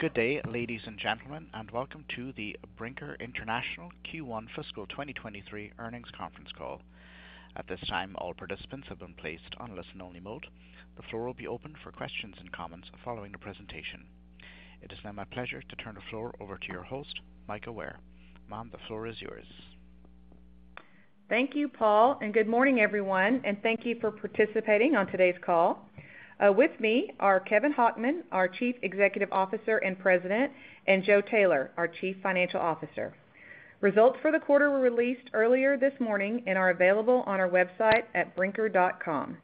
Good day, ladies and gentlemen, and welcome to the Brinker International Q1 Fiscal 2023 earnings conference call. At this time, all participants have been placed on listen-only mode. The floor will be opened for questions and comments following the presentation. It is now my pleasure to turn the floor over to your host, Mika Ware. Ma'am, the floor is yours. Thank you, Paul, and good morning, everyone, and thank you for participating on today's call. With me are Kevin Hochman, our Chief Executive Officer and President, and Joe Taylor, our Chief Financial Officer. Results for the quarter were released earlier this morning and are available on our website at brinker.com.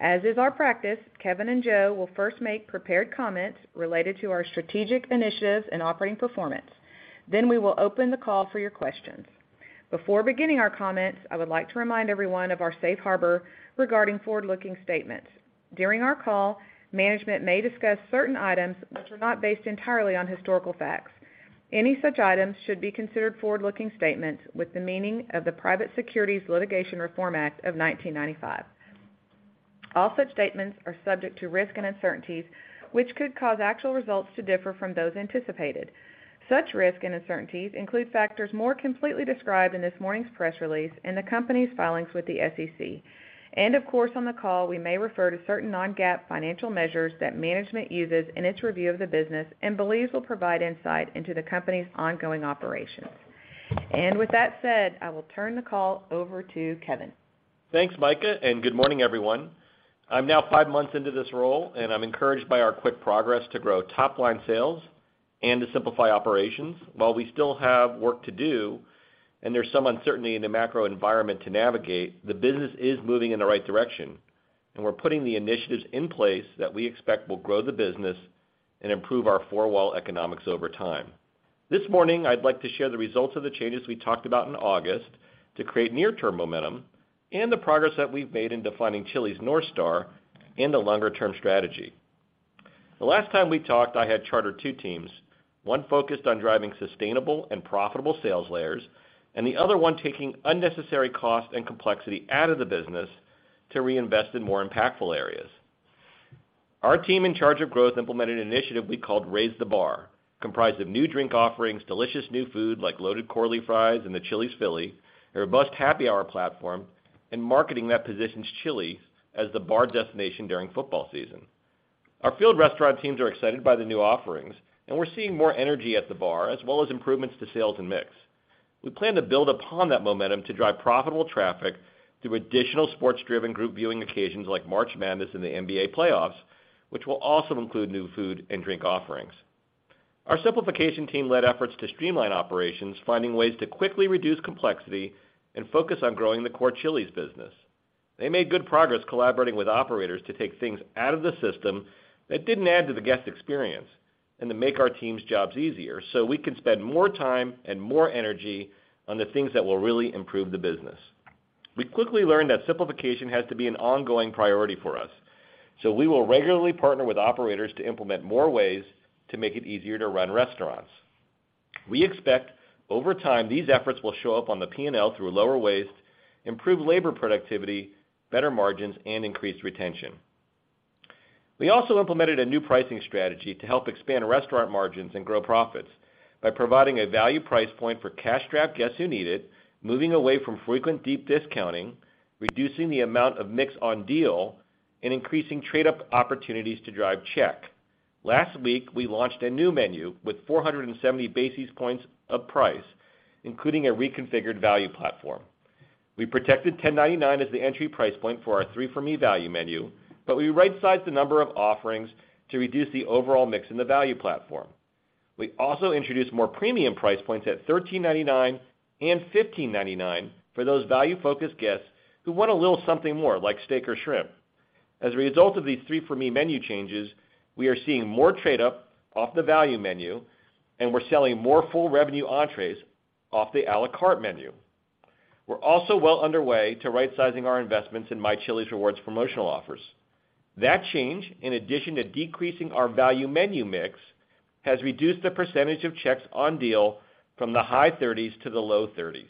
As is our practice, Kevin and Joe will first make prepared comments related to our strategic initiatives and operating performance. Then we will open the call for your questions. Before beginning our comments, I would like to remind everyone of our safe harbor regarding forward-looking statements. During our call, management may discuss certain items which are not based entirely on historical facts. Any such items should be considered forward-looking statements with the meaning of the Private Securities Litigation Reform Act of 1995. All such statements are subject to risk and uncertainties, which could cause actual results to differ from those anticipated. Such risk and uncertainties include factors more completely described in this morning's press release in the company's filings with the SEC. Of course, on the call, we may refer to certain non-GAAP financial measures that management uses in its review of the business and believes will provide insight into the company's ongoing operations. With that said, I will turn the call over to Kevin. Thanks, Mika, and good morning, everyone. I'm now five months into this role, and I'm encouraged by our quick progress to grow top-line sales and to simplify operations. While we still have work to do, and there's some uncertainty in the macro environment to navigate, the business is moving in the right direction, and we're putting the initiatives in place that we expect will grow the business and improve our four-wall economics over time. This morning, I'd like to share the results of the changes we talked about in August to create near-term momentum and the progress that we've made in defining Chili's North Star in the longer-term strategy. The last time we talked, I had chartered two teams, one focused on driving sustainable and profitable sales layers, and the other one taking unnecessary cost and complexity out of the business to reinvest in more impactful areas. Our team in charge of growth implemented an initiative we called Raise the Bar, comprised of new drink offerings, delicious new food like Loaded Curly Fries and the Chili's Philly, a robust happy hour platform, and marketing that positions Chili's as the bar destination during football season. Our field restaurant teams are excited by the new offerings, and we're seeing more energy at the bar, as well as improvements to sales and mix. We plan to build upon that momentum to drive profitable traffic through additional sports-driven group viewing occasions like March Madness and the NBA playoffs, which will also include new food and drink offerings. Our simplification team led efforts to streamline operations, finding ways to quickly reduce complexity and focus on growing the core Chili's business. They made good progress collaborating with operators to take things out of the system that didn't add to the guest experience and to make our team's jobs easier so we can spend more time and more energy on the things that will really improve the business. We quickly learned that simplification has to be an ongoing priority for us, so we will regularly partner with operators to implement more ways to make it easier to run restaurants. We expect over time, these efforts will show up on the P&L through lower waste, improved labor productivity, better margins, and increased retention. We also implemented a new pricing strategy to help expand restaurant margins and grow profits by providing a value price point for cash-strapped guests who need it, moving away from frequent deep discounting, reducing the amount of mix on deal, and increasing trade-up opportunities to drive check. Last week, we launched a new menu with 470 basis points of price, including a reconfigured value platform. We protected $10.99 as the entry price point for our 3 for Me value menu, but we right-sized the number of offerings to reduce the overall mix in the value platform. We also introduced more premium price points at $13.99 and $15.99 for those value-focused guests who want a little something more, like steak or shrimp. As a result of these 3 for Me menu changes, we are seeing more trade up off the value menu, and we're selling more full revenue entrees off the à la carte menu. We're also well underway to right-sizing our investments in My Chili's Rewards promotional offers. That change, in addition to decreasing our value menu mix, has reduced the percentage of checks on deal from the high thirties to the low thirties.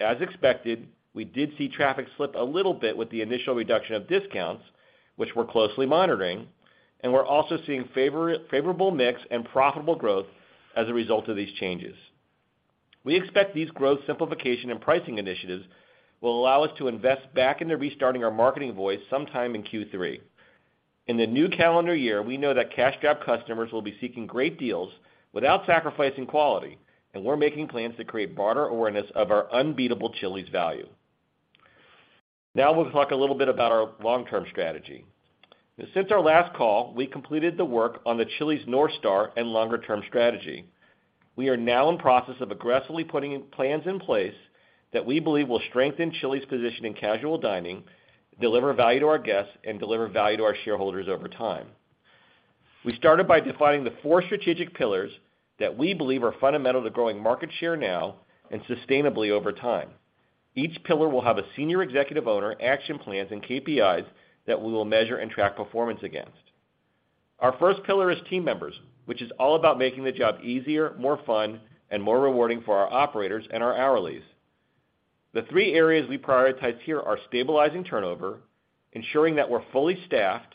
As expected, we did see traffic slip a little bit with the initial reduction of discounts, which we're closely monitoring, and we're also seeing favorable mix and profitable growth as a result of these changes. We expect these growth simplification and pricing initiatives will allow us to invest back into restarting our marketing voice sometime in Q3. In the new calendar year, we know that cash-strapped customers will be seeking great deals without sacrificing quality, and we're making plans to create broader awareness of our unbeatable Chili's value. Now we'll talk a little bit about our long-term strategy. Since our last call, we completed the work on the Chili's North Star and longer-term strategy. We are now in process of aggressively putting plans in place that we believe will strengthen Chili's position in casual dining, deliver value to our guests, and deliver value to our shareholders over time. We started by defining the four strategic pillars that we believe are fundamental to growing market share now and sustainably over time. Each pillar will have a senior executive owner, action plans, and KPIs that we will measure and track performance against. Our first pillar is team members, which is all about making the job easier, more fun, and more rewarding for our operators and our hourlies. The three areas we prioritize here are stabilizing turnover, ensuring that we're fully staffed,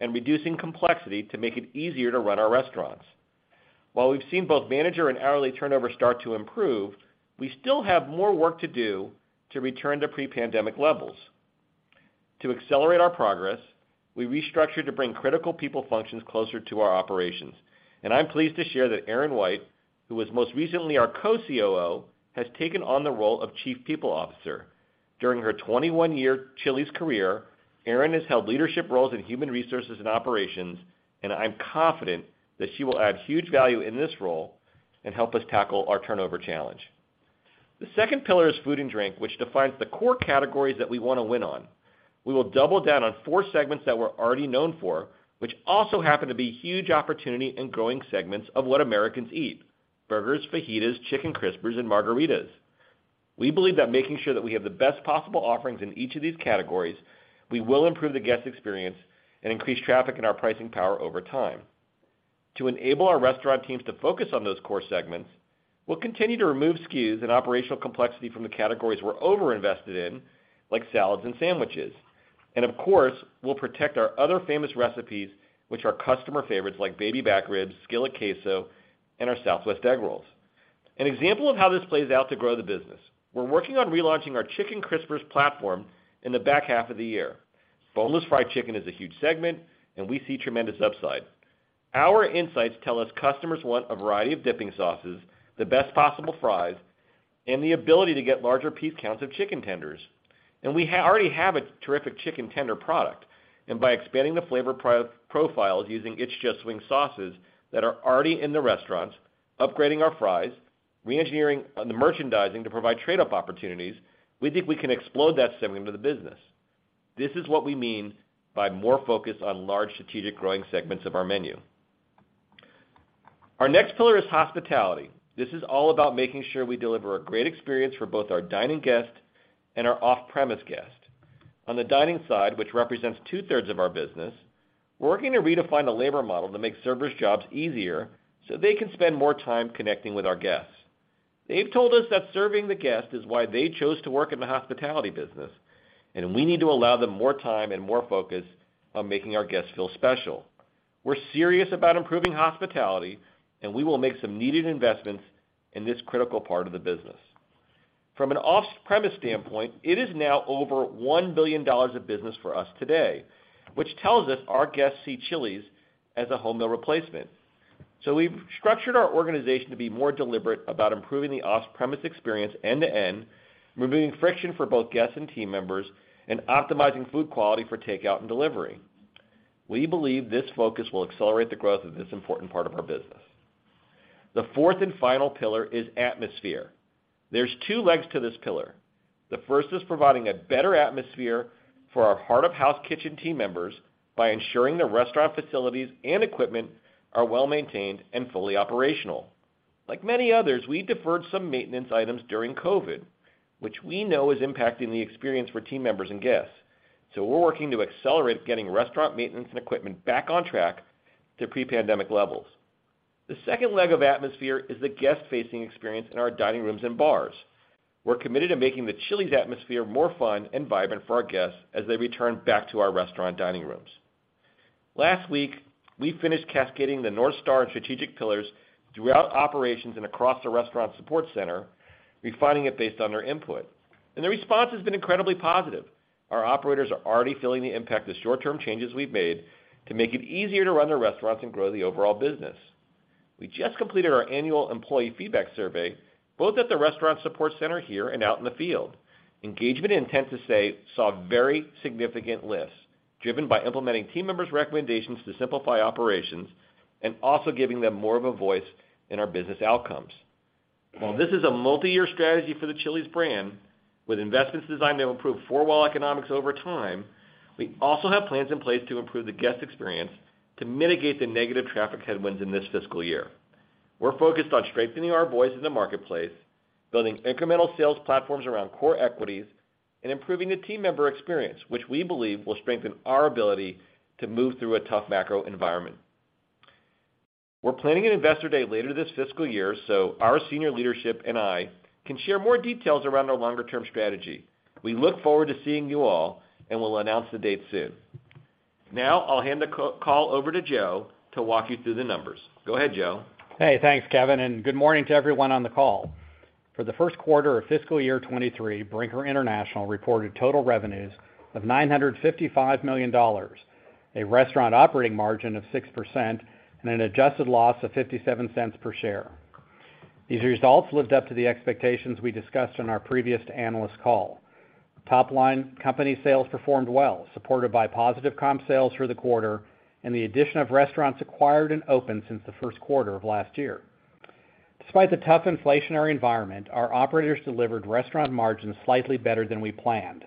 and reducing complexity to make it easier to run our restaurants. While we've seen both manager and hourly turnover start to improve, we still have more work to do to return to pre-pandemic levels. To accelerate our progress, we restructured to bring critical people functions closer to our operations, and I'm pleased to share that Aaron White, who was most recently our co-COO, has taken on the role of Chief People Officer. During her 21-year Chili's career, Aaron has held leadership roles in human resources and operations, and I'm confident that she will add huge value in this role and help us tackle our turnover challenge. The second pillar is food and drink, which defines the core categories that we wanna win on. We will double down on four segments that we're already known for, which also happen to be huge opportunity and growing segments of what Americans eat. Burgers, fajitas, Chicken Crispers and margaritas. We believe that making sure that we have the best possible offerings in each of these categories, we will improve the guest experience and increase traffic and our pricing power over time. To enable our restaurant teams to focus on those core segments, we'll continue to remove SKUs and operational complexity from the categories we're over-invested in, like salads and sandwiches. Of course, we'll protect our other famous recipes which are customer favorites like Baby Back Ribs, Skillet Queso, and our Southwestern Eggrolls. An example of how this plays out to grow the business, we're working on relaunching our Chicken Crispers platform in the back half of the year. Boneless fried chicken is a huge segment, and we see tremendous upside. Our insights tell us customers want a variety of dipping sauces, the best possible fries, and the ability to get larger piece counts of chicken tenders. We already have a terrific chicken tender product, and by expanding the flavor profiles using It's Just Wings sauces that are already in the restaurants, upgrading our fries, reengineering on the merchandising to provide trade-up opportunities, we think we can explode that segment of the business. This is what we mean by more focus on large strategic growing segments of our menu. Our next pillar is hospitality. This is all about making sure we deliver a great experience for both our dine-in guests and our off-premise guests. On the dining side, which represents two-thirds of our business, we're working to redefine the labor model that makes servers' jobs easier so they can spend more time connecting with our guests. They've told us that serving the guest is why they chose to work in the hospitality business, and we need to allow them more time and more focus on making our guests feel special. We're serious about improving hospitality, and we will make some needed investments in this critical part of the business. From an off-premise standpoint, it is now over $1 billion of business for us today, which tells us our guests see Chili's as a home meal replacement. We've structured our organization to be more deliberate about improving the off-premise experience end to end, removing friction for both guests and team members, and optimizing food quality for takeout and delivery. We believe this focus will accelerate the growth of this important part of our business. The fourth and final pillar is atmosphere. There's two legs to this pillar. The first is providing a better atmosphere for our heart-of-house kitchen team members by ensuring the restaurant facilities and equipment are well-maintained and fully operational. Like many others, we deferred some maintenance items during COVID, which we know is impacting the experience for team members and guests, so we're working to accelerate getting restaurant maintenance and equipment back on track to pre-pandemic levels. The second leg of atmosphere is the guest-facing experience in our dining rooms and bars. We're committed to making the Chili's atmosphere more fun and vibrant for our guests as they return back to our restaurant dining rooms. Last week, we finished cascading the North Star and strategic pillars throughout operations and across the restaurant support center, refining it based on their input. The response has been incredibly positive. Our operators are already feeling the impact of the short-term changes we've made to make it easier to run their restaurants and grow the overall business. We just completed our annual employee feedback survey, both at the restaurant support center here and out in the field. Engagement intent to stay saw very significant lifts, driven by implementing team members' recommendations to simplify operations and also giving them more of a voice in our business outcomes. While this is a multi-year strategy for the Chili's brand with investments designed to improve four-wall economics over time, we also have plans in place to improve the guest experience to mitigate the negative traffic headwinds in this fiscal year. We're focused on strengthening our voice in the marketplace, building incremental sales platforms around core equities, and improving the team member experience, which we believe will strengthen our ability to move through a tough macro environment. We're planning an investor day later this fiscal year so our senior leadership and I can share more details around our longer term strategy. We look forward to seeing you all, and we'll announce the date soon. Now, I'll hand the call over to Joe to walk you through the numbers. Go ahead, Joe. Hey, thanks, Kevin, and good morning to everyone on the call. For the Q1 of fiscal year 2023, Brinker International reported total revenues of $955 million, a restaurant operating margin of 6%, and an adjusted loss of $0.57 per share. These results lived up to the expectations we discussed on our previous analyst call. Top line company sales performed well, supported by positive comp sales for the quarter and the addition of restaurants acquired and opened since the Q1 of last year. Despite the tough inflationary environment, our operators delivered restaurant margins slightly better than we planned.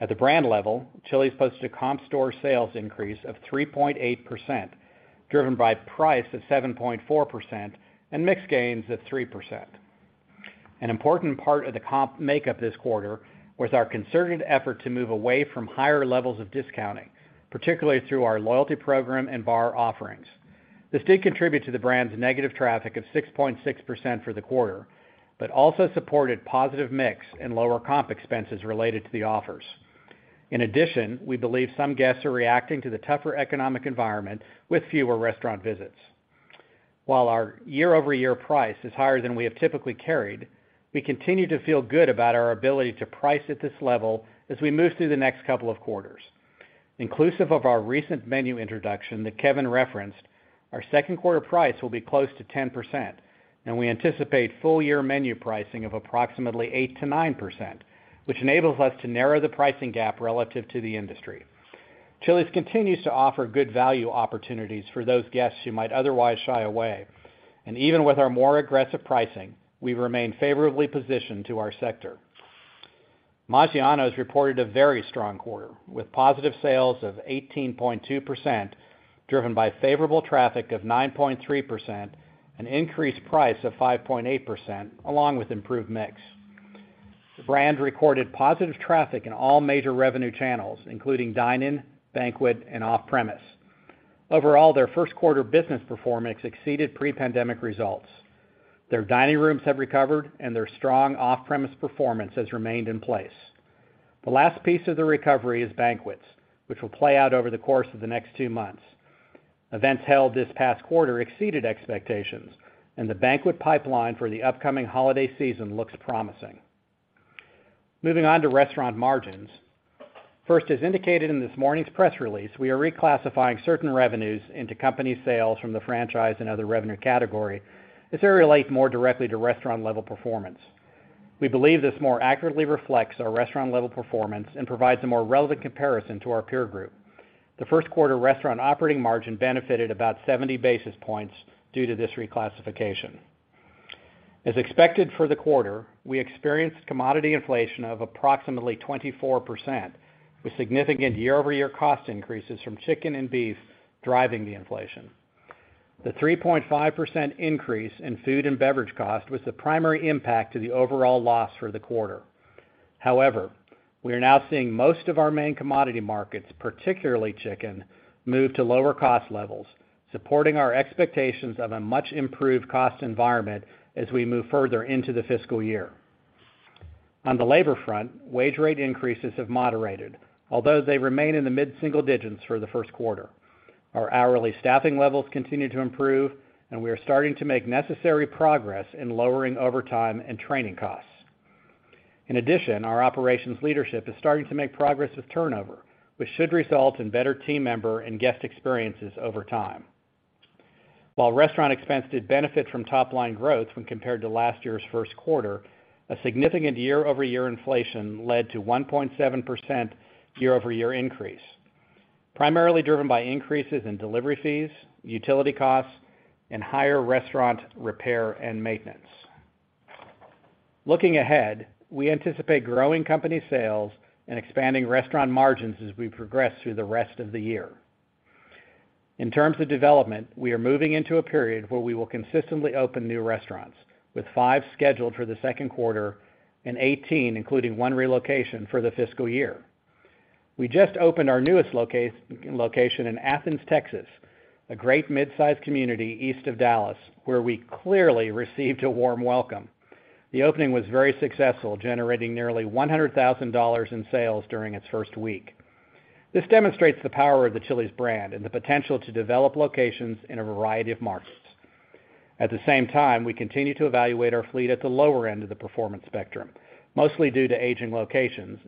At the brand level, Chili's posted a comp store sales increase of 3.8%, driven by price of 7.4% and mixed gains of 3%. An important part of the comp makeup this quarter was our concerted effort to move away from higher levels of discounting, particularly through our loyalty program and bar offerings. This did contribute to the brand's negative traffic of 6.6% for the quarter, but also supported positive mix and lower comp expenses related to the offers. In addition, we believe some guests are reacting to the tougher economic environment with fewer restaurant visits. While our year-over-year price is higher than we have typically carried, we continue to feel good about our ability to price at this level as we move through the next couple of quarters. Inclusive of our recent menu introduction that Kevin referenced, our Q2 price will be close to 10%, and we anticipate full year menu pricing of approximately 8%-9%, which enables us to narrow the pricing gap relative to the industry. Chili's continues to offer good value opportunities for those guests who might otherwise shy away, and even with our more aggressive pricing, we remain favorably positioned to our sector. Maggiano's reported a very strong quarter, with positive sales of 18.2%, driven by favorable traffic of 9.3% and increased price of 5.8%, along with improved mix. The brand recorded positive traffic in all major revenue channels, including dine-in, banquet and off-premise. Overall, their Q1 business performance exceeded pre-pandemic results. Their dining rooms have recovered and their strong off-premise performance has remained in place. The last piece of the recovery is banquets, which will play out over the course of the next two months. Events held this past quarter exceeded expectations, and the banquet pipeline for the upcoming holiday season looks promising. Moving on to restaurant margins. First, as indicated in this morning's press release, we are reclassifying certain revenues into company sales from the franchise and other revenue category as they relate more directly to restaurant-level performance. We believe this more accurately reflects our restaurant-level performance and provides a more relevant comparison to our peer group. The Q1 restaurant operating margin benefited about 70 basis points due to this reclassification. As expected for the quarter, we experienced commodity inflation of approximately 24%, with significant year-over-year cost increases from chicken and beef driving the inflation. The 3.5% increase in food and beverage cost was the primary impact to the overall loss for the quarter. However, we are now seeing most of our main commodity markets, particularly chicken, move to lower cost levels, supporting our expectations of a much improved cost environment as we move further into the fiscal year. On the labor front, wage rate increases have moderated, although they remain in the mid-single digits for the Q1. Our hourly staffing levels continue to improve, and we are starting to make necessary progress in lowering overtime and training costs. In addition, our operations leadership is starting to make progress with turnover, which should result in better team member and guest experiences over time. While restaurant expense did benefit from top line growth when compared to last year's Q1, a significant year-over-year inflation led to 1.7% year-over-year increase, primarily driven by increases in delivery fees, utility costs, and higher restaurant repair and maintenance. Looking ahead, we anticipate growing company sales and expanding restaurant margins as we progress through the rest of the year. In terms of development, we are moving into a period where we will consistently open new restaurants, with five scheduled for the Q2 and 18, including one relocation, for the fiscal year. We just opened our newest location in Athens, Texas, a great mid-sized community east of Dallas, where we clearly received a warm welcome. The opening was very successful, generating nearly $100,000 in sales during its first week. This demonstrates the power of the Chili's brand and the potential to develop locations in a variety of markets. At the same time, we continue to evaluate our fleet at the lower end of the performance spectrum, mostly due to aging locations,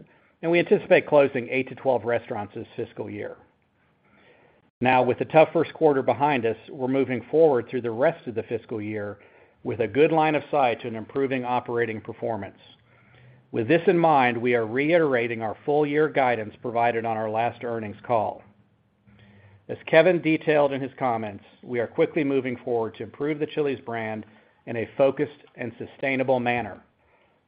and we anticipate closing 8-12 restaurants this fiscal year. Now, with the tough Q1 behind us, we're moving forward through the rest of the fiscal year with a good line of sight to an improving operating performance. With this in mind, we are reiterating our full year guidance provided on our last earnings call. As Kevin detailed in his comments, we are quickly moving forward to improve the Chili's brand in a focused and sustainable manner.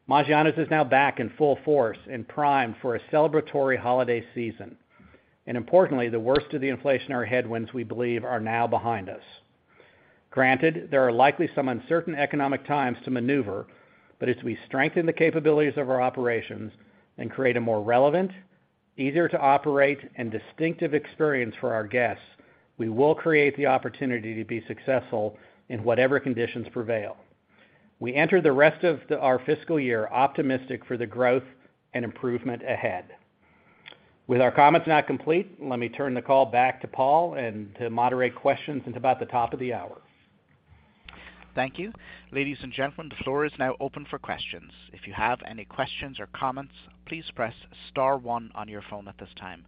Maggiano's is now back in full force and primed for a celebratory holiday season. Importantly, the worst of the inflationary headwinds, we believe, are now behind us. Granted, there are likely some uncertain economic times to maneuver, but as we strengthen the capabilities of our operations and create a more relevant, easier to operate and distinctive experience for our guests, we will create the opportunity to be successful in whatever conditions prevail. We enter the rest of our fiscal year optimistic for the growth and improvement ahead. With our comments now complete, let me turn the call back to Paul and to moderate questions at about the top of the hour. Thank you. Ladies and gentlemen, the floor is now open for questions. If you have any questions or comments, please press star one on your phone at this time.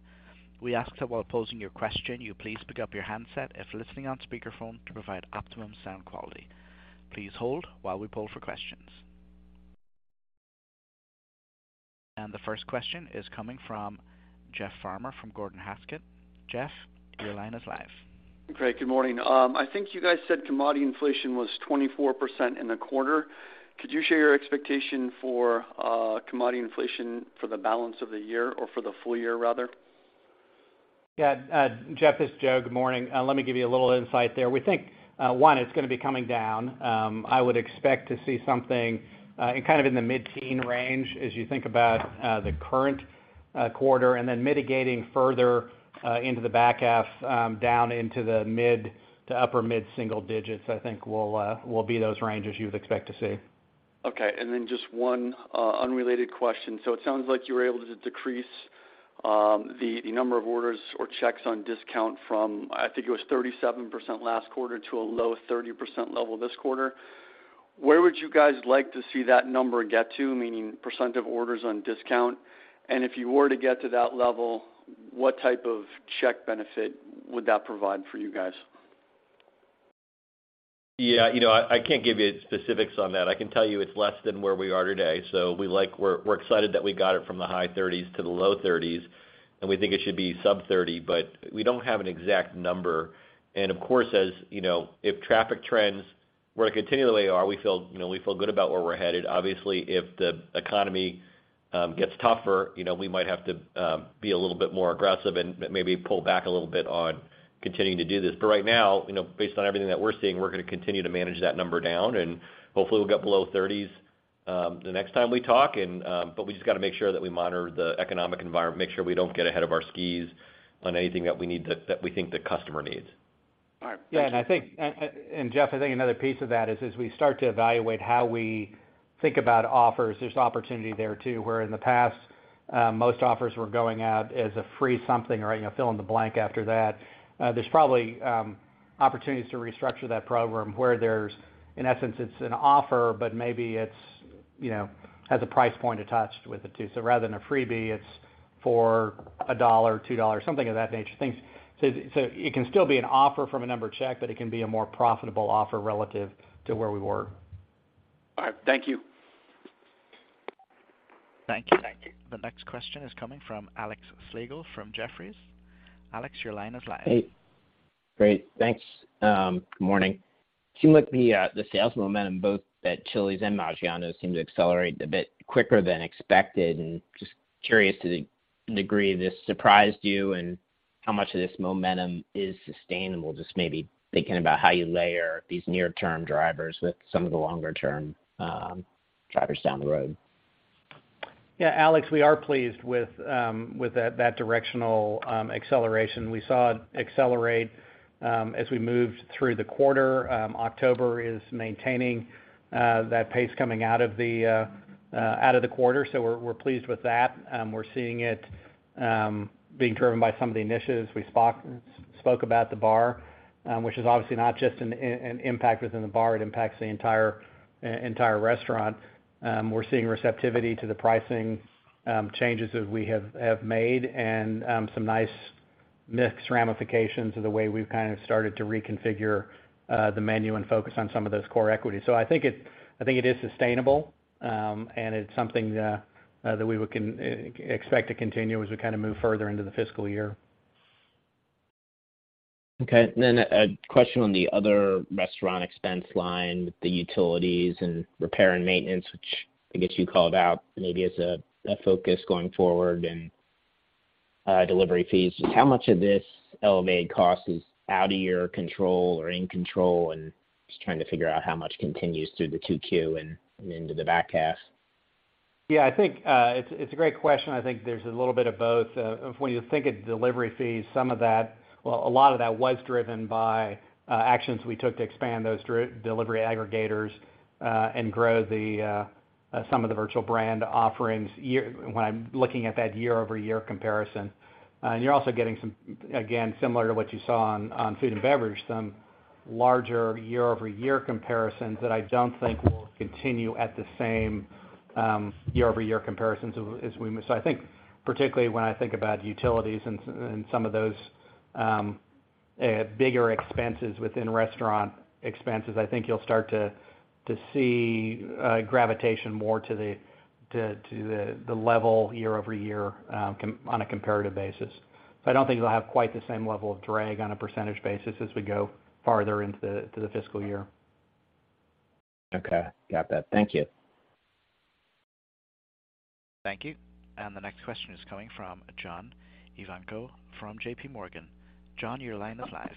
We ask that while posing your question, you please pick up your handset if listening on speakerphone to provide optimum sound quality. Please hold while we poll for questions. The first question is coming from Jeff Farmer from Gordon Haskett. Jeff, your line is live. Great, good morning. I think you guys said commodity inflation was 24% in the quarter. Could you share your expectation for commodity inflation for the balance of the year or for the full year, rather? Yeah, Jeff, it's Joe. Good morning. Let me give you a little insight there. We think, one, it's gonna be coming down. I would expect to see something kind of in the mid-teens range as you think about the current quarter and then mitigating further into the back half down into the mid- to upper mid-single digits. I think will be those ranges you would expect to see. Okay. Just one unrelated question. It sounds like you were able to decrease the number of orders or checks on discount from, I think it was 37% last quarter to a low 30% level this quarter. Where would you guys like to see that number get to, meaning percent of orders on discount? And if you were to get to that level, what type of check benefit would that provide for you guys? Yeah. You know, I can't give you specifics on that. I can tell you it's less than where we are today. We're excited that we got it from the high 30s to the low 30s, and we think it should be sub-30, but we don't have an exact number. Of course, as you know, if traffic trends were to continue the way they are, we feel you know we feel good about where we're headed. Obviously, if the economy gets tougher, you know, we might have to be a little bit more aggressive and maybe pull back a little bit on continuing to do this. Right now, you know, based on everything that we're seeing, we're gonna continue to manage that number down, and hopefully we'll get below 30s the next time we talk. We just gotta make sure that we monitor the economic environment, make sure we don't get ahead of our skis on anything that we think the customer needs. All right. Thanks. I think, and Jeff, I think another piece of that is, as we start to evaluate how we think about offers, there's opportunity there, too, where in the past, most offers were going out as a free something or, you know, fill in the blank after that. There's probably opportunities to restructure that program where there's, in essence, it's an offer, but maybe it's, you know, has a price point attached with it, too. Rather than a freebie, it's for $1, $2, something of that nature. It can still be an offer from a number check, but it can be a more profitable offer relative to where we were. All right. Thank you. Thank you. The next question is coming from Alexander Slagle from Jefferies. Alex, your line is live. Hey. Great. Thanks. Good morning. Seemed like the sales momentum both at Chili's and Maggiano's seemed to accelerate a bit quicker than expected. Just curious to the degree this surprised you and how much of this momentum is sustainable, just maybe thinking about how you layer these near-term drivers with some of the longer term drivers down the road. Yeah, Alex, we are pleased with that directional acceleration. We saw it accelerate as we moved through the quarter. October is maintaining that pace coming out of the quarter, so we're pleased with that. We're seeing it being driven by some of the initiatives. We spoke about the bar, which is obviously not just an impact within the bar, it impacts the entire restaurant. We're seeing receptivity to the pricing changes that we have made and some nice mix ramifications of the way we've kind of started to reconfigure the menu and focus on some of those core equities. I think it is sustainable, and it's something that we would expect to continue as we kind of move further into the fiscal year. A question on the other restaurant expense line, the utilities and repair and maintenance, which I guess you called out maybe as a focus going forward and delivery fees. How much of this elevated cost is out of your control or in control? Just trying to figure out how much continues through the 2Q and into the back half. Yeah, I think it's a great question. I think there's a little bit of both. If when you think of delivery fees, some of that, well, a lot of that was driven by actions we took to expand those delivery aggregators and grow some of the virtual brand offerings when I'm looking at that year-over-year comparison. And you're also getting some, again, similar to what you saw on food and beverage, some larger year-over-year comparisons that I don't think will continue at the same year-over-year comparisons as we move. I think, particularly when I think about utilities and some of those bigger expenses within restaurant expenses, I think you'll start to see gravitation more to the level year-over-year on a comparative basis. I don't think it'll have quite the same level of drag on a percentage basis as we go farther into the fiscal year. Okay. Got that. Thank you. Thank you. The next question is coming from John Ivankoe from JPMorgan. John, your line is live.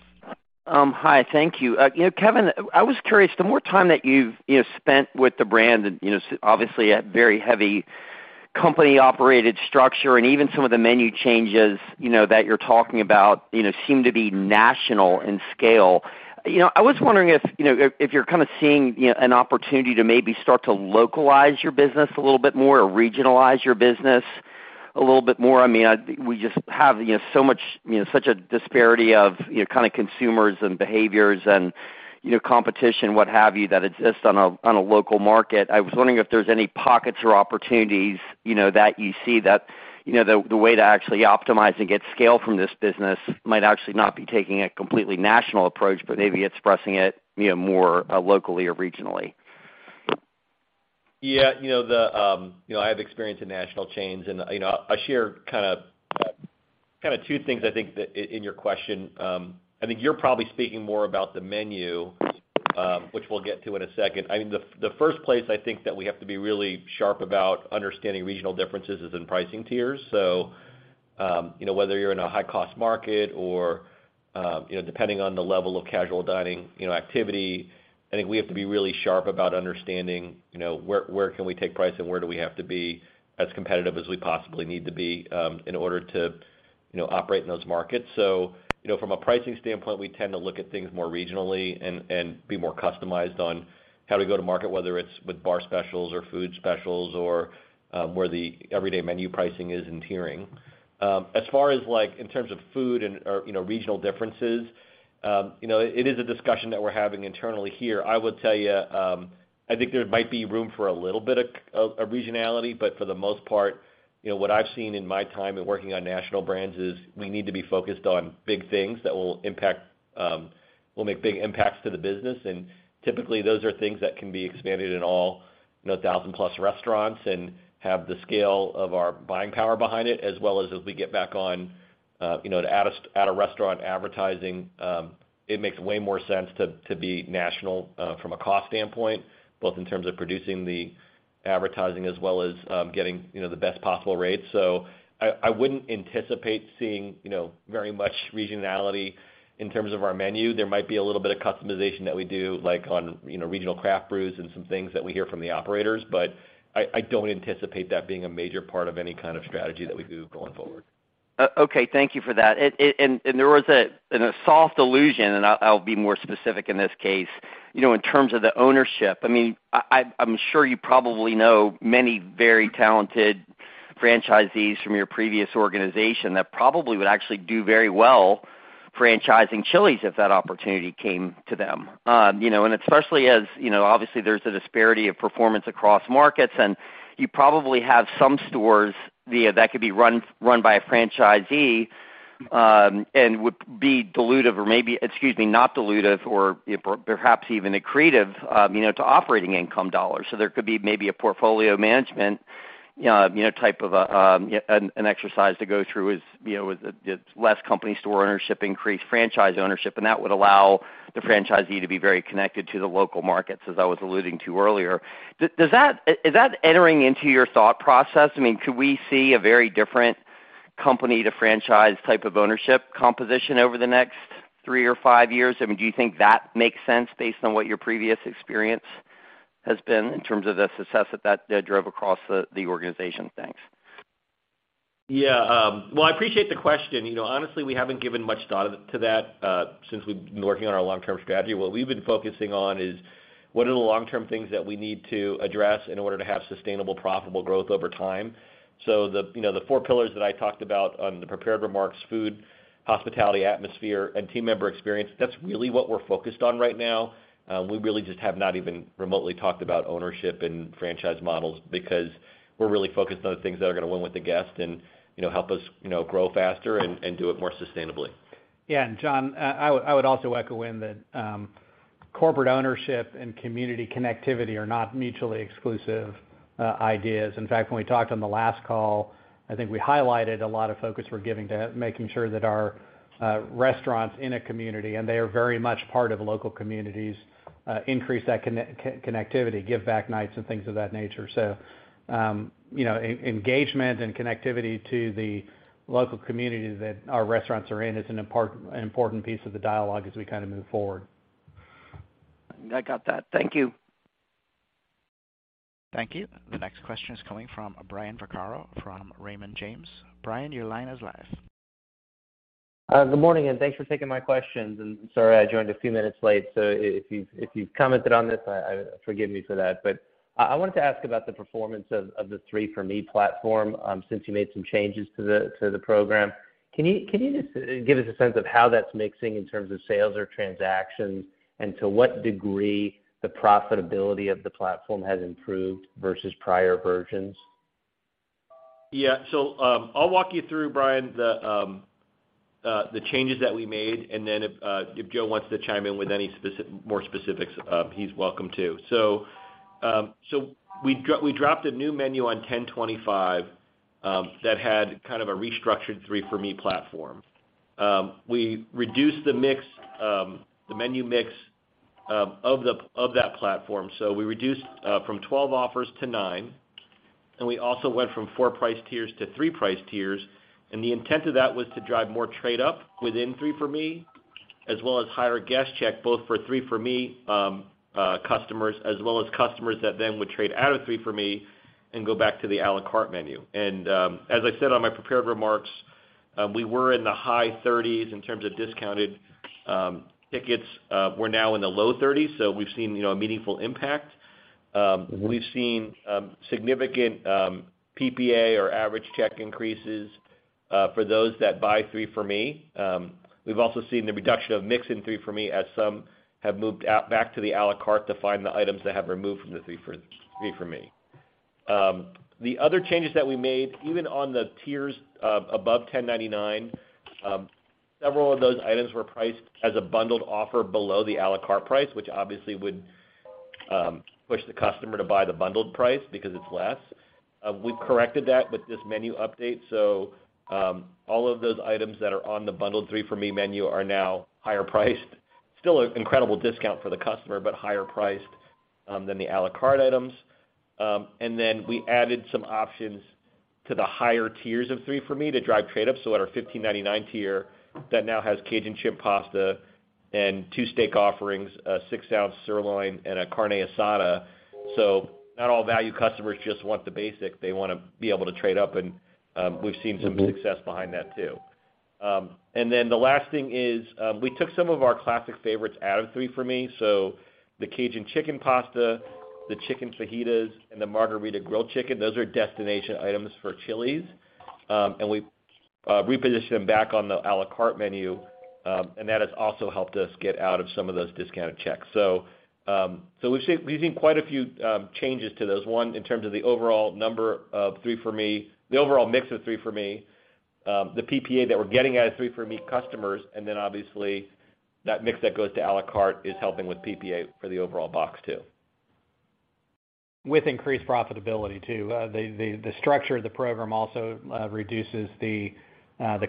Hi. Thank you. You know, Kevin, I was curious, the more time that you've, you know, spent with the brand and, you know, obviously a very heavy company operated structure and even some of the menu changes, you know, that you're talking about, you know, seem to be national in scale. You know, I was wondering if you're kind of seeing, you know, an opportunity to maybe start to localize your business a little bit more or regionalize your business a little bit more. I mean, we just have, you know, so much, you know, such a disparity of, you know, kind of consumers and behaviors and, you know, competition, what have you, that exists on a local market. I was wondering if there's any pockets or opportunities, you know, that you see that, you know, the way to actually optimize and get scale from this business might actually not be taking a completely national approach, but maybe expressing it, you know, more locally or regionally? Yeah. You know, I have experience in national chains and, you know, I'll share kind of two things I think that in your question. I think you're probably speaking more about the menu, which we'll get to in a second. I mean, the first place I think that we have to be really sharp about understanding regional differences is in pricing tiers. You know, whether you're in a high-cost market or, you know, depending on the level of casual dining, you know, activity, I think we have to be really sharp about understanding, you know, where can we take price and where do we have to be as competitive as we possibly need to be, in order to, you know, operate in those markets. From a pricing standpoint, we tend to look at things more regionally and be more customized on how we go to market, whether it's with bar specials or food specials or, where the everyday menu pricing is in tiering. As far as like in terms of food and/or, you know, regional differences, you know, it is a discussion that we're having internally here. I would tell you, I think there might be room for a little bit of a regionality, but for the most part, you know, what I've seen in my time in working on national brands is we need to be focused on big things that will make big impacts to the business. Typically, those are things that can be expanded in all, you know, 1,000+ restaurants and have the scale of our buying power behind it, as well as if we get back on, you know, to out-of-restaurant advertising, it makes way more sense to be national, from a cost standpoint, both in terms of producing the advertising as well as getting, you know, the best possible rates. I wouldn't anticipate seeing, you know, very much regionality in terms of our menu. There might be a little bit of customization that we do, like on, you know, regional craft brews and some things that we hear from the operators. I don't anticipate that being a major part of any kind of strategy that we do going forward. Okay. Thank you for that. There was a soft allusion, and I'll be more specific in this case, you know, in terms of the ownership. I mean, I'm sure you probably know many very talented franchisees from your previous organization that probably would actually do very well franchising Chili's if that opportunity came to them. You know, and especially as, you know, obviously there's a disparity of performance across markets, and you probably have some stores that could be run by a franchisee, and would be dilutive or maybe, excuse me, not dilutive or perhaps even accretive, you know, to operating income dollars. There could be maybe a portfolio management, you know, type of an exercise to go through, you know, with less company store ownership, increased franchise ownership, and that would allow the franchisee to be very connected to the local markets, as I was alluding to earlier. Does that? Is that entering into your thought process? I mean, could we see a very different company to franchise type of ownership composition over the next three or five years? I mean, do you think that makes sense based on what your previous experience has been in terms of the success that that drove across the organization? Thanks. Yeah. Well, I appreciate the question. You know, honestly, we haven't given much thought to that, since we've been working on our long-term strategy. What we've been focusing on is what are the long-term things that we need to address in order to have sustainable, profitable growth over time. The, you know, the four pillars that I talked about on the prepared remarks, food, hospitality, atmosphere, and team member experience, that's really what we're focused on right now. We really just have not even remotely talked about ownership and franchise models because we're really focused on the things that are going to win with the guest and, you know, help us, you know, grow faster and do it more sustainably. Yeah. John, I would also echo that corporate ownership and community connectivity are not mutually exclusive ideas. In fact, when we talked on the last call, I think we highlighted a lot of focus we're giving to making sure that our restaurants in a community, and they are very much part of local communities, increase that connectivity, give back nights and things of that nature. You know, engagement and connectivity to the local community that our restaurants are in is an important piece of the dialogue as we kind of move forward. I got that. Thank you. Thank you. The next question is coming from Brian Vaccaro from Raymond James. Brian, your line is live. Good morning, and thanks for taking my questions. Sorry, I joined a few minutes late. If you've commented on this, forgive me for that. I wanted to ask about the performance of the 3 for Me platform, since you made some changes to the program. Can you just give us a sense of how that's mixing in terms of sales or transactions, and to what degree the profitability of the platform has improved versus prior versions? Yeah. I'll walk you through, Brian, the changes that we made, and then if Joe wants to chime in with any more specifics, he's welcome to. We dropped a new menu on 10/25 that had kind of a restructured 3 for Me platform. We reduced the mix, the menu mix, of that platform. We reduced from 12 offers to nine, and we also went from 4 price tiers to 3 price tiers. The intent of that was to drive more trade up within 3 for Me, as well as higher guest check, both for 3 for Me customers, as well as customers that then would trade out of 3 for Me and go back to the à la carte menu. As I said on my prepared remarks, we were in the high 30s in terms of discounted tickets. We're now in the low 30s, so we've seen, you know, a meaningful impact. We've seen significant PPA or average check increases for those that buy 3 for Me. We've also seen the reduction of mix in 3 for Me as some have moved out back to the à la carte to find the items they have removed from the 3 for Me. The other changes that we made, even on the tiers above $10.99, several of those items were priced as a bundled offer below the à la carte price, which obviously would push the customer to buy the bundled price because it's less. We've corrected that with this menu update. All of those items that are on the bundled 3 for Me menu are now higher priced. Still an incredible discount for the customer, but higher priced than the à la carte items. We added some options to the higher tiers of 3 for Me to drive trade-ups. At our $15.99 tier that now has Cajun Shrimp Pasta and 2 steak offerings, a 6-ounce sirloin and a Carne Asada. Not all value customers just want the basic. They wanna be able to trade up, and we've seen some success behind that too. The last thing is, we took some of our classic favorites out of 3 for Me. The Cajun Chicken Pasta, the Chicken Fajitas, and the Margarita Grilled Chicken, those are destination items for Chili's. we repositioned them back on the à la carte menu, and that has also helped us get out of some of those discounted checks. We've seen quite a few changes to those. One, in terms of the overall number of 3 for Me, the overall mix of 3 for Me, the PPA that we're getting out of 3 for Me customers, and then obviously that mix that goes to à la carte is helping with PPA for the overall box too. With increased profitability too. The structure of the program also reduces the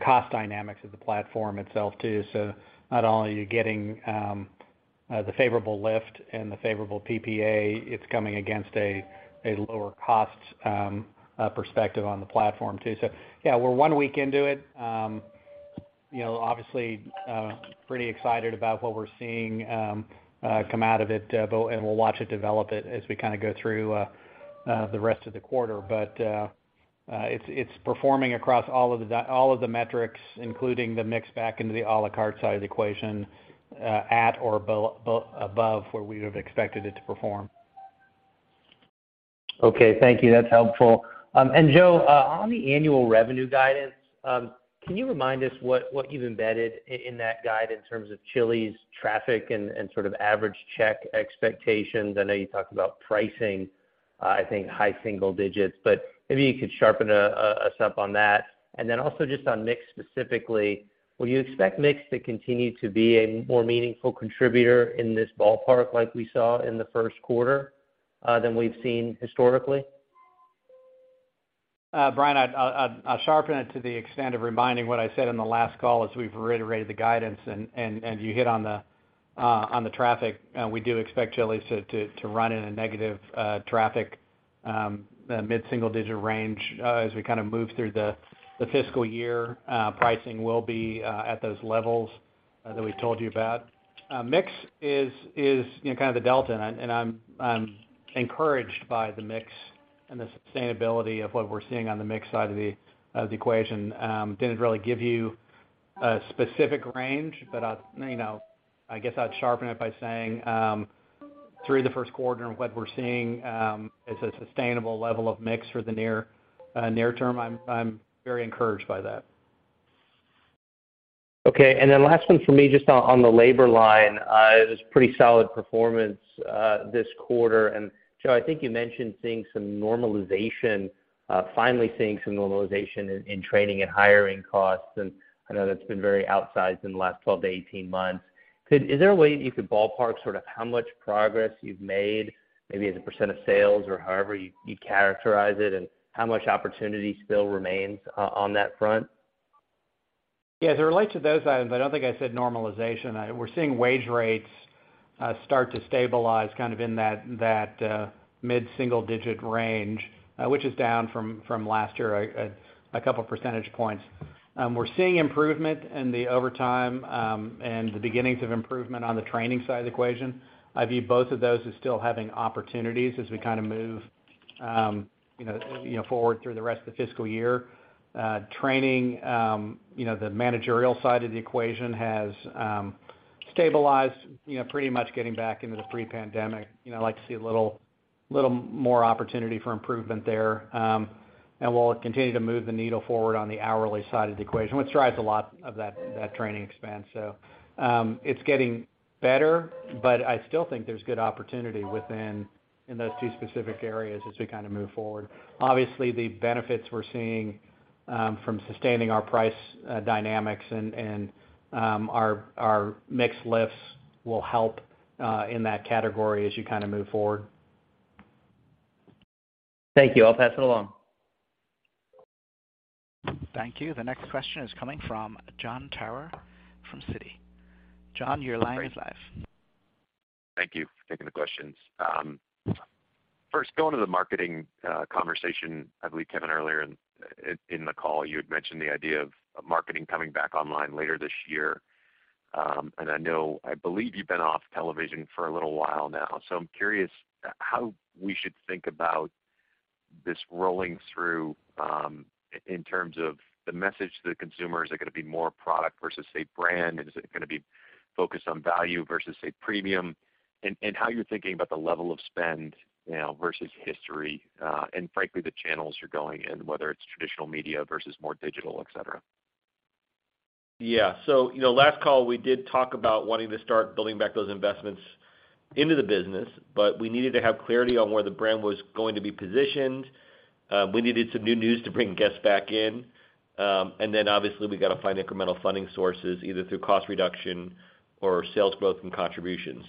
cost dynamics of the platform itself too. Not only are you getting the favorable lift and the favorable PPA, it's coming against a lower cost perspective on the platform too. Yeah, we're one week into it. You know, obviously, pretty excited about what we're seeing come out of it, but we'll watch it develop as we kinda go through the rest of the quarter. It's performing across all of the metrics, including the mix back into the à la carte side of the equation at or above where we would have expected it to perform. Okay. Thank you. That's helpful. Joe, on the annual revenue guidance, can you remind us what you've embedded in that guide in terms of Chili's traffic and sort of average check expectations? I know you talked about pricing, I think high single digits, but maybe you could sharpen us up on that. Also just on mix specifically, will you expect mix to continue to be a more meaningful contributor in this ballpark like we saw in the Q1, than we've seen historically? Brian, I'll sharpen it to the extent of reminding what I said on the last call as we've reiterated the guidance and you hit on the traffic. We do expect Chili's to run at a negative traffic mid-single-digit range. As we kinda move through the fiscal year, pricing will be at those levels that we told you about. Mix is you know kind of the delta, and I'm encouraged by the mix and the sustainability of what we're seeing on the mix side of the equation. Didn't really give you a specific range, but I'll, you know, I guess I'd sharpen it by saying, through the Q1 and what we're seeing is a sustainable level of mix for the near term. I'm very encouraged by that. Okay. Last one for me, just on the labor line. It was pretty solid performance this quarter. Joe, I think you mentioned seeing some normalization, finally seeing some normalization in training and hiring costs, and I know that's been very outsized in the last 12-18 months. Is there a way that you could ballpark sort of how much progress you've made, maybe as a percent of sales or however you characterize it, and how much opportunity still remains on that front? Yeah, as it relates to those items, I don't think I said normalization. We're seeing wage rates start to stabilize kind of in that mid-single digit range, which is down from last year a couple percentage points. We're seeing improvement in the overtime and the beginnings of improvement on the training side of the equation. I view both of those as still having opportunities as we kinda move you know forward through the rest of the fiscal year. Training, you know, the managerial side of the equation has stabilized, you know, pretty much getting back into the pre-pandemic. You know, I'd like to see a little more opportunity for improvement there. We'll continue to move the needle forward on the hourly side of the equation, which drives a lot of that training expense. It's getting better, but I still think there's good opportunity within in those two specific areas as we kinda move forward. Obviously, the benefits we're seeing from sustaining our price dynamics and our mix lifts will help in that category as you kinda move forward. Thank you. I'll pass it along. Thank you. The next question is coming from Jon Tower from Citi. Jon, your line is live. Thank you for taking the questions. First, going to the marketing conversation, I believe, Kevin, earlier in the call, you had mentioned the idea of marketing coming back online later this year. I believe you've been off television for a little while now, so I'm curious how we should think about this rolling through, in terms of the message to the consumers. Is it gonna be more product versus, say, brand? Is it gonna be focused on value versus, say, premium? How you're thinking about the level of spend, you know, versus history, and frankly, the channels you're going in, whether it's traditional media versus more digital, et cetera. Yeah. You know, last call, we did talk about wanting to start building back those investments into the business, but we needed to have clarity on where the brand was going to be positioned. We needed some new news to bring guests back in. And then obviously, we gotta find incremental funding sources, either through cost reduction or sales growth and contributions.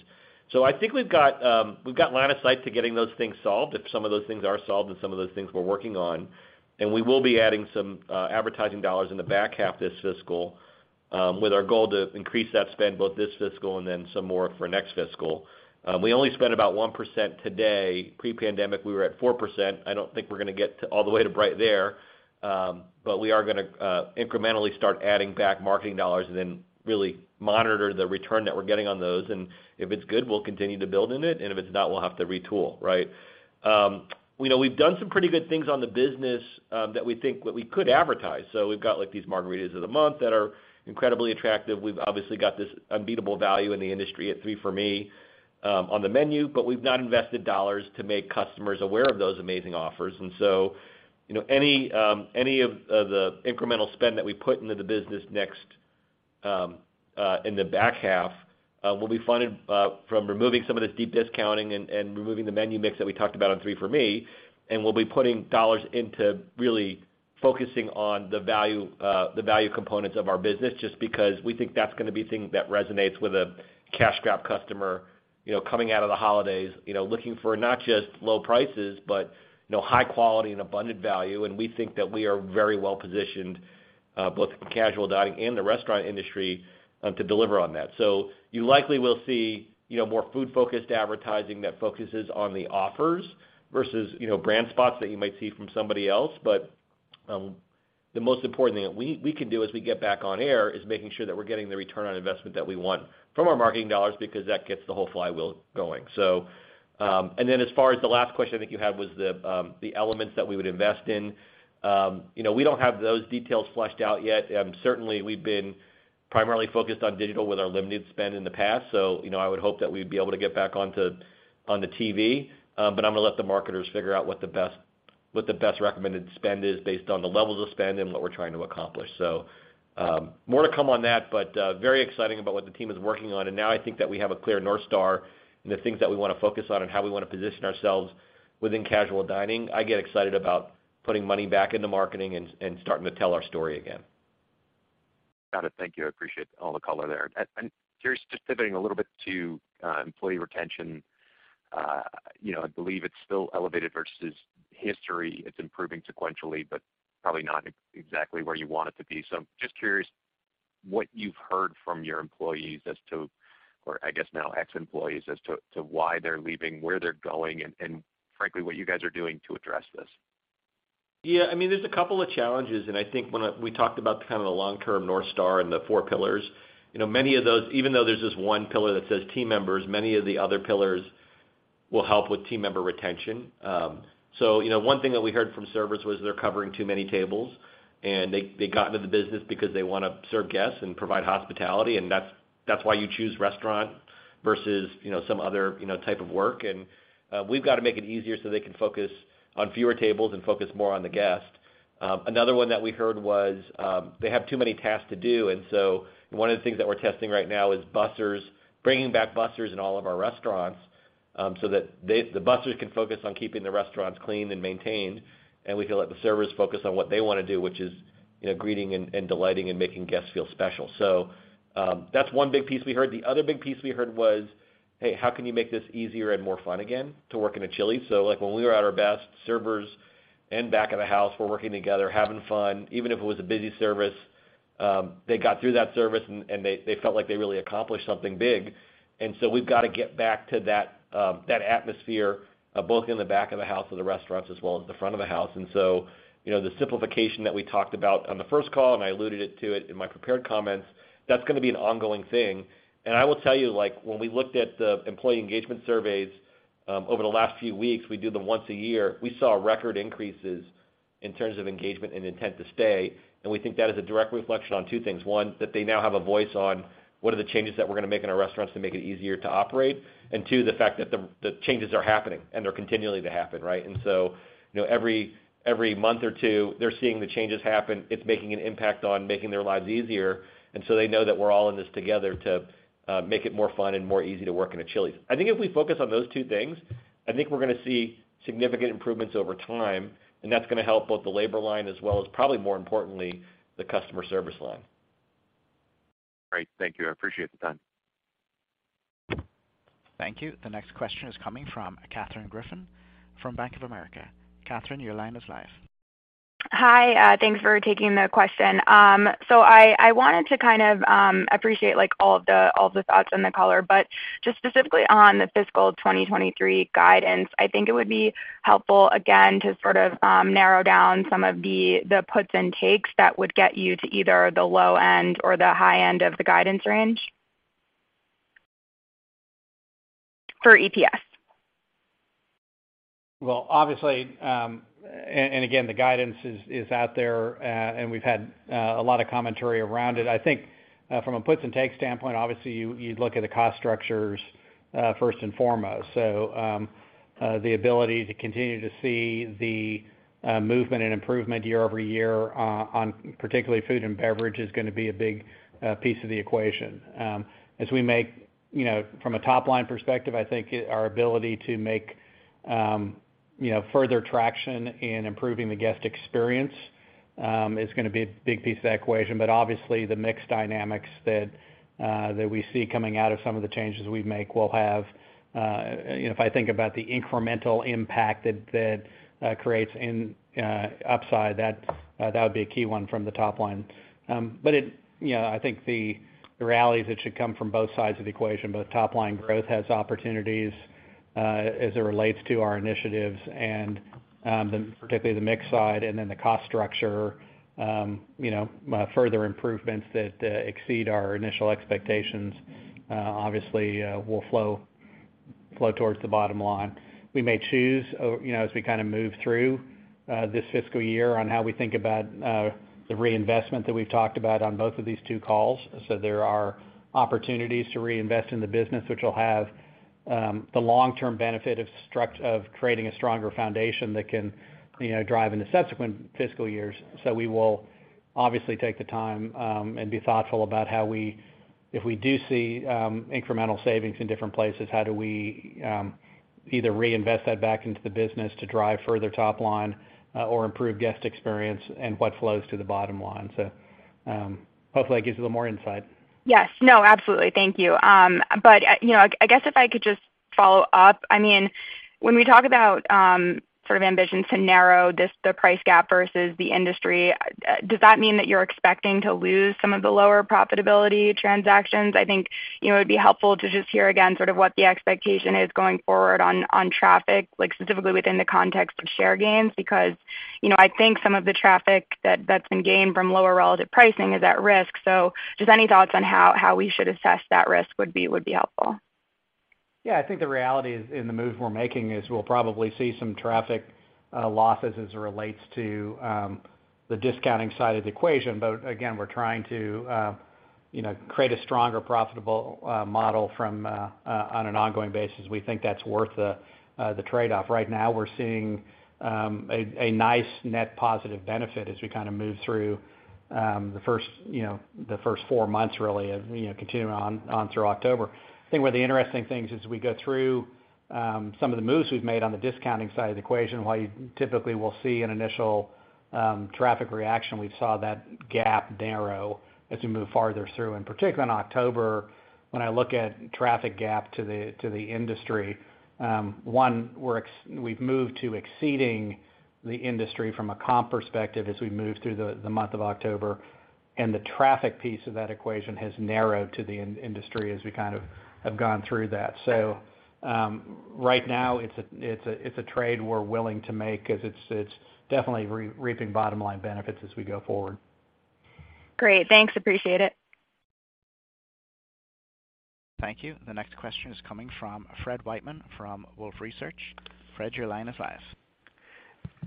I think we've got line of sight to getting those things solved if some of those things are solved and some of those things we're working on. We will be adding some advertising dollars in the back half this fiscal. With our goal to increase that spend both this fiscal and then some more for next fiscal. We only spent about 1% today. Pre-pandemic, we were at 4%. I don't think we're gonna get to all the way to right there, but we are gonna incrementally start adding back marketing dollars and then really monitor the return that we're getting on those. If it's good, we'll continue to build in it, and if it's not, we'll have to retool, right? We know we've done some pretty good things on the business that we think that we could advertise. We've got, like, these margaritas of the month that are incredibly attractive. We've obviously got this unbeatable value in the industry at 3 for Me on the menu, but we've not invested dollars to make customers aware of those amazing offers. You know, any of the incremental spend that we put into the business next in the back half will be funded from removing some of the deep discounting and removing the menu mix that we talked about on 3 for Me. We'll be putting dollars into really focusing on the value components of our business, just because we think that's gonna be something that resonates with a cash-strapped customer, you know, coming out of the holidays, you know, looking for not just low prices, but you know high quality and abundant value. We think that we are very well positioned both in casual dining and the restaurant industry to deliver on that. You likely will see, you know, more food-focused advertising that focuses on the offers versus, you know, brand spots that you might see from somebody else. The most important thing that we can do as we get back on air is making sure that we're getting the return on investment that we want from our marketing dollars because that gets the whole flywheel going. As far as the last question I think you had was the elements that we would invest in. You know, we don't have those details fleshed out yet. Certainly, we've been primarily focused on digital with our limited spend in the past. You know, I would hope that we'd be able to get back on the TV. I'm gonna let the marketers figure out what the best recommended spend is based on the levels of spend and what we're trying to accomplish. More to come on that, very exciting about what the team is working on. Now I think that we have a clear North Star in the things that we wanna focus on and how we wanna position ourselves within casual dining. I get excited about putting money back into marketing and starting to tell our story again. Got it. Thank you. I appreciate all the color there. Curious, just pivoting a little bit to employee retention. You know, I believe it's still elevated versus history. It's improving sequentially, but probably not exactly where you want it to be. Just curious what you've heard from your employees as to, or I guess now ex-employees, as to why they're leaving, where they're going, and frankly, what you guys are doing to address this. Yeah, I mean, there's a couple of challenges, and I think when we talked about the kind of the long-term North Star and the four pillars, you know, many of those, even though there's this one pillar that says team members, many of the other pillars will help with team member retention. You know, one thing that we heard from servers was they're covering too many tables, and they got into the business because they wanna serve guests and provide hospitality, and that's why you choose restaurant versus, you know, some other, you know, type of work. We've got to make it easier so they can focus on fewer tables and focus more on the guest. Another one that we heard was they have too many tasks to do. One of the things that we're testing right now is bussers, bringing back bussers in all of our restaurants, so that the bussers can focus on keeping the restaurants clean and maintained, and we can let the servers focus on what they wanna do, which is, you know, greeting and delighting and making guests feel special. That's one big piece we heard. The other big piece we heard was, "Hey, how can you make this easier and more fun again to work in a Chili's?" Like, when we were at our best, servers and back of the house were working together, having fun. Even if it was a busy service, they got through that service and they felt like they really accomplished something big. We've got to get back to that atmosphere, both in the back of the house of the restaurants as well as the front of the house. You know, the simplification that we talked about on the first call, and I alluded it to it in my prepared comments, that's gonna be an ongoing thing. I will tell you, like, when we looked at the employee engagement surveys, over the last few weeks, we do them once a year, we saw record increases in terms of engagement and intent to stay. We think that is a direct reflection on two things. One, that they now have a voice on what are the changes that we're gonna make in our restaurants to make it easier to operate. Two, the fact that the changes are happening and they're continuing to happen, right? You know, every month or two, they're seeing the changes happen. It's making an impact on making their lives easier, and so they know that we're all in this together to make it more fun and more easy to work in a Chili's. I think if we focus on those two things, I think we're gonna see significant improvements over time, and that's gonna help both the labor line as well as probably more importantly, the customer service line. Great. Thank you. I appreciate the time. Thank you. The next question is coming from Katherine Griffin from Bank of America. Katherine, your line is live. Hi. Thanks for taking the question. I wanted to kind of appreciate, like, all the thoughts and the color, but just specifically on the fiscal 2023 guidance, I think it would be helpful again, to sort of narrow down some of the puts and takes that would get you to either the low end or the high end of the guidance range for EPS. Well, obviously, again, the guidance is out there, and we've had a lot of commentary around it. I think, from a puts and takes standpoint, obviously you'd look at the cost structures first and foremost. The ability to continue to see the movement and improvement year-over-year on particularly food and beverage is gonna be a big piece of the equation. You know, from a top-line perspective, I think our ability to make, you know, further traction in improving the guest experience, it's gonna be a big piece of that equation. Obviously, the mix dynamics that we see coming out of some of the changes we make will have, you know, if I think about the incremental impact that that creates in upside, that would be a key one from the top line. You know, I think the rallies that should come from both sides of the equation, both top line growth has opportunities, as it relates to our initiatives and, then particularly the mix side and then the cost structure, you know, further improvements that exceed our initial expectations, obviously, will flow towards the bottom line. We may choose, you know, as we kinda move through this fiscal year on how we think about the reinvestment that we've talked about on both of these two calls. There are opportunities to reinvest in the business, which will have the long-term benefit of creating a stronger foundation that can, you know, drive in the subsequent fiscal years. We will obviously take the time and be thoughtful about how, if we do see incremental savings in different places, how do we either reinvest that back into the business to drive further top line or improve guest experience and what flows to the bottom line. Hopefully, I gave you a little more insight. Yes. No, absolutely. Thank you. You know, I guess if I could just follow up. I mean, when we talk about sort of ambition to narrow the price gap versus the industry, does that mean that you're expecting to lose some of the lower profitability transactions? I think, you know, it'd be helpful to just hear again sort of what the expectation is going forward on traffic, like specifically within the context of share gains. Because, you know, I think some of the traffic that's been gained from lower relative pricing is at risk. Just any thoughts on how we should assess that risk would be helpful. Yeah. I think the reality is, in the moves we're making, is we'll probably see some traffic losses as it relates to the discounting side of the equation. Again, we're trying to, you know, create a stronger profitable model from on an ongoing basis. We think that's worth the trade-off. Right now, we're seeing a nice net positive benefit as we kinda move through you know the first four months really, and you know continuing on through October. I think one of the interesting things as we go through some of the moves we've made on the discounting side of the equation, while you typically will see an initial traffic reaction, we saw that gap narrow as we move farther through. Particularly in October, when I look at traffic gap to the industry, we've moved to exceeding the industry from a comp perspective as we move through the month of October, and the traffic piece of that equation has narrowed to the industry as we kind of have gone through that. Right now, it's a trade we're willing to make 'cause it's definitely reaping bottom line benefits as we go forward. Great. Thanks. Appreciate it. Thank you. The next question is coming from Fred Wightman from Wolfe Research. Fred, your line is live.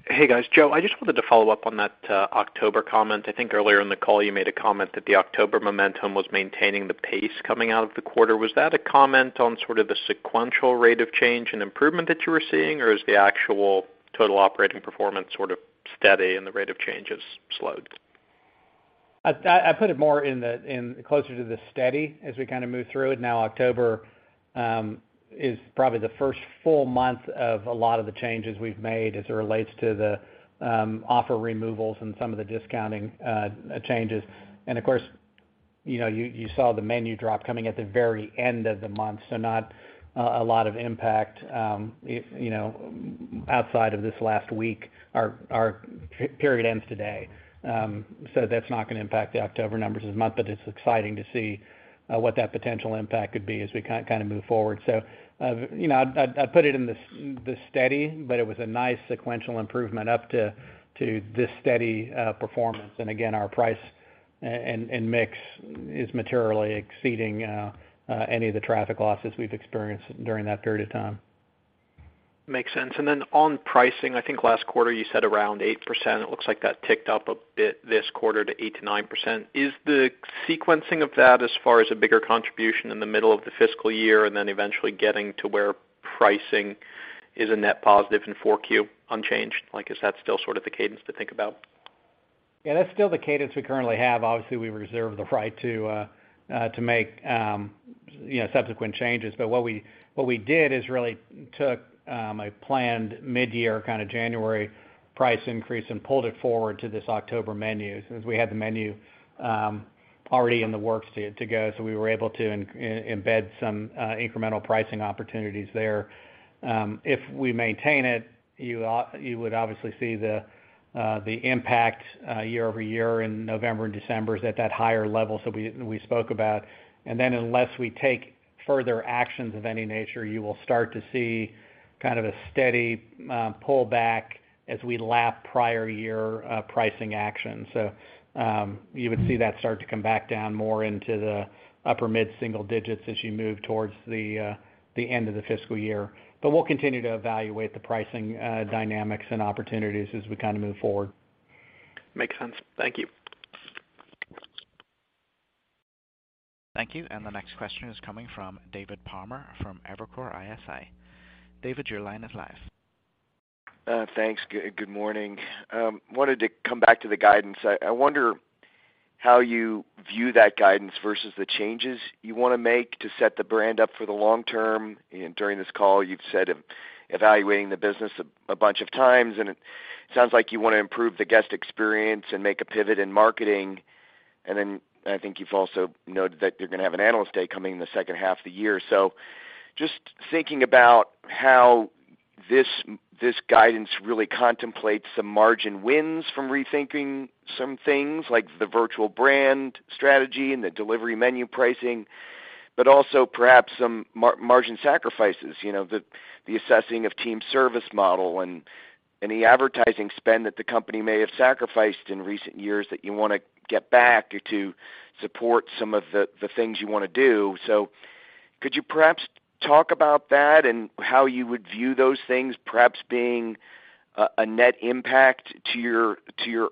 Hey, guys. Joe, I just wanted to follow up on that, October comment. I think earlier in the call, you made a comment that the October momentum was maintaining the pace coming out of the quarter. Was that a comment on sort of the sequential rate of change and improvement that you were seeing, or is the actual total operating performance sort of steady and the rate of change has slowed? I put it more in closer to the steady as we kinda move through it. Now, October is probably the first full month of a lot of the changes we've made as it relates to the offer removals and some of the discounting changes. Of course, you know, you saw the menu drop coming at the very end of the month, so not a lot of impact, you know, outside of this last week. Our period ends today, so that's not gonna impact the October numbers this month. It's exciting to see what that potential impact could be as we kinda move forward. You know, I'd put it in the steady, but it was a nice sequential improvement up to this steady performance. Our price and mix is materially exceeding any of the traffic losses we've experienced during that period of time. Makes sense. On pricing, I think last quarter you said around 8%. It looks like that ticked up a bit this quarter to 8%-9%. Is the sequencing of that as far as a bigger contribution in the middle of the fiscal year and then eventually getting to where pricing is a net positive in 4Q unchanged? Like, is that still sort of the cadence to think about? Yeah, that's still the cadence we currently have. Obviously, we reserve the right to make, you know, subsequent changes. What we did is really took a planned mid-year kind of January price increase and pulled it forward to this October menu since we had the menu already in the works to go, so we were able to embed some incremental pricing opportunities there. If we maintain it, you would obviously see the impact year-over-year in November and December is at that higher level, so we spoke about. Unless we take further actions of any nature, you will start to see kind of a steady pullback as we lap prior year pricing actions. You would see that start to come back down more into the upper mid-single digits as you move towards the end of the fiscal year. We'll continue to evaluate the pricing dynamics and opportunities as we kinda move forward. Makes sense. Thank you. Thank you. The next question is coming from David Palmer from Evercore ISI. David, your line is live. Thanks. Good morning. Wanted to come back to the guidance. I wonder How you view that guidance versus the changes you wanna make to set the brand up for the long term. During this call, you've said evaluating the business a bunch of times, and it sounds like you wanna improve the guest experience and make a pivot in marketing. Then I think you've also noted that you're gonna have an analyst day coming in the H2 of the year. Just thinking about how this guidance really contemplates some margin wins from rethinking some things like the virtual brand strategy and the delivery menu pricing, but also perhaps some margin sacrifices, you know, the assessing of team service model and any advertising spend that the company may have sacrificed in recent years that you wanna get back or to support some of the things you wanna do. Could you perhaps talk about that and how you would view those things perhaps being a net impact to your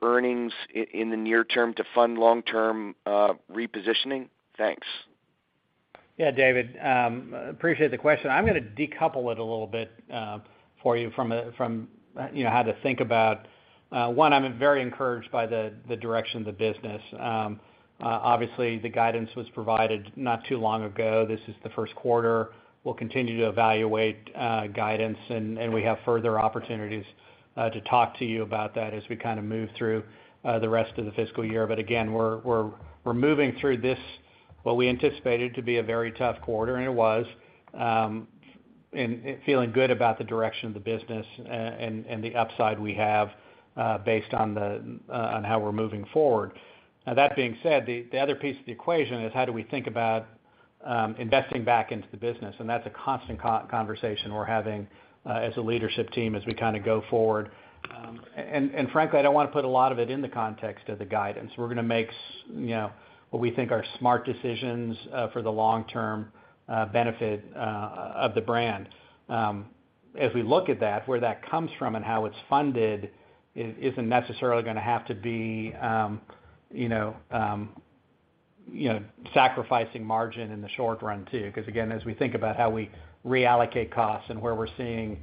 earnings in the near term to fund long-term repositioning? Thanks. Yeah, David, appreciate the question. I'm gonna decouple it a little bit for you from you know, how to think about. One, I'm very encouraged by the direction of the business. Obviously, the guidance was provided not too long ago. This is the Q1. We'll continue to evaluate guidance, and we have further opportunities to talk to you about that as we kind of move through the rest of the fiscal year. Again, we're moving through this, what we anticipated to be a very tough quarter, and it was, and feeling good about the direction of the business, and the upside we have, based on how we're moving forward. Now that being said, the other piece of the equation is how do we think about investing back into the business? That's a constant conversation we're having as a leadership team as we kind of go forward. Frankly, I don't wanna put a lot of it in the context of the guidance. We're gonna make you know, what we think are smart decisions for the long-term benefit of the brand. As we look at that, where that comes from and how it's funded isn't necessarily gonna have to be you know, sacrificing margin in the short run too. Because again, as we think about how we reallocate costs and where we're seeing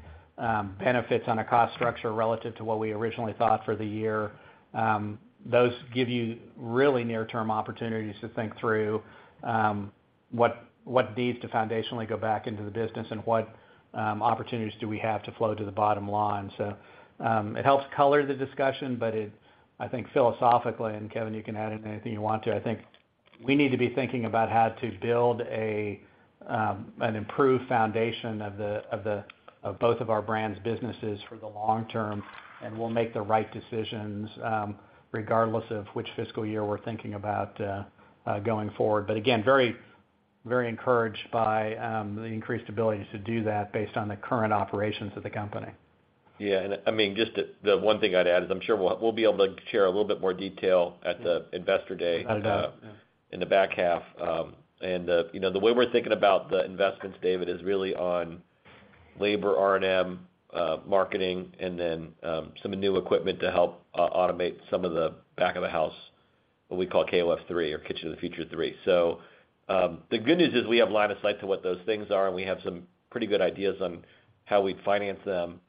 benefits on a cost structure relative to what we originally thought for the year, those give you really near-term opportunities to think through what needs to foundationally go back into the business and what opportunities do we have to flow to the bottom line. It helps color the discussion, but I think philosophically, and Kevin, you can add anything you want to, I think we need to be thinking about how to build an improved foundation of both of our brands' businesses for the long term, and we'll make the right decisions, regardless of which fiscal year we're thinking about going forward. Again, very, very encouraged by the increased abilities to do that based on the current operations of the company. Yeah. I mean, just the one thing I'd add is I'm sure we'll be able to share a little bit more detail at the investor day. Without a doubt. Yeah. In the back half. You know, the way we're thinking about the investments, David, is really on labor, R&M, marketing, and then some new equipment to help automate some of the back of the house, what we call KOF Three or Kitchen of the Future Three. The good news is we have line of sight to what those things are, and we have some pretty good ideas on how we'd finance them.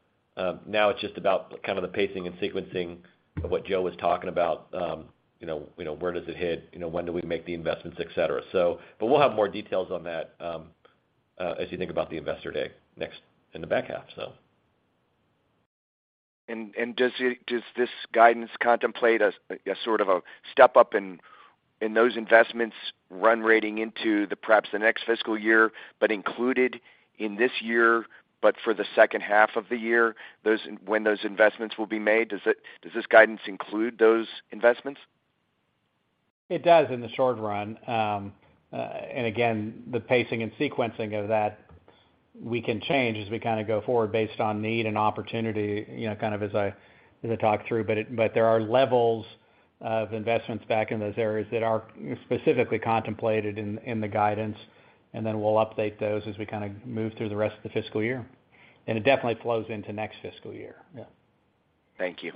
Now it's just about kind of the pacing and sequencing of what Joe was talking about. You know, where does it hit? You know, when do we make the investments, et cetera. But we'll have more details on that as you think about the investor day next in the back half. Does this guidance contemplate a sort of step up in those investments run rate into perhaps the next fiscal year, but included in this year for the H2 of the year, when those investments will be made? Does this guidance include those investments? It does in the short run. Again, the pacing and sequencing of that we can change as we kinda go forward based on need and opportunity, you know, kind of as I talked through. But there are levels of investments back in those areas that are specifically contemplated in the guidance, and then we'll update those as we kinda move through the rest of the fiscal year. It definitely flows into next fiscal year. Yeah. Thank you.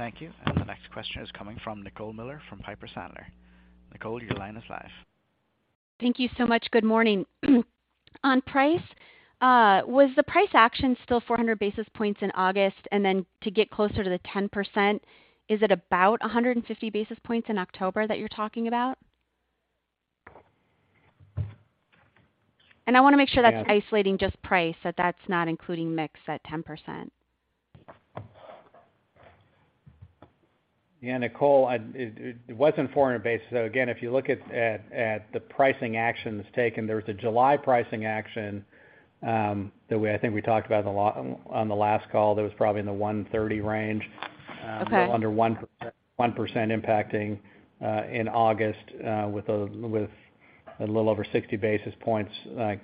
Thank you. The next question is coming from Nicole Miller Regan from Piper Sandler. Nicole, your line is live. Thank you so much. Good morning. On price, was the price action still 400 basis points in August? To get closer to the 10%, is it about 150 basis points in October that you're talking about? I wanna make sure that's isolating just price, that that's not including mix at 10%. Yeah, Nicole, it was 400 basis points. Again, if you look at the pricing actions taken, there was a July pricing action that we, I think we talked about on the last call. That was probably in the 130 basis points range. Okay. A little under 1% impacting in August, with a little over 60 basis points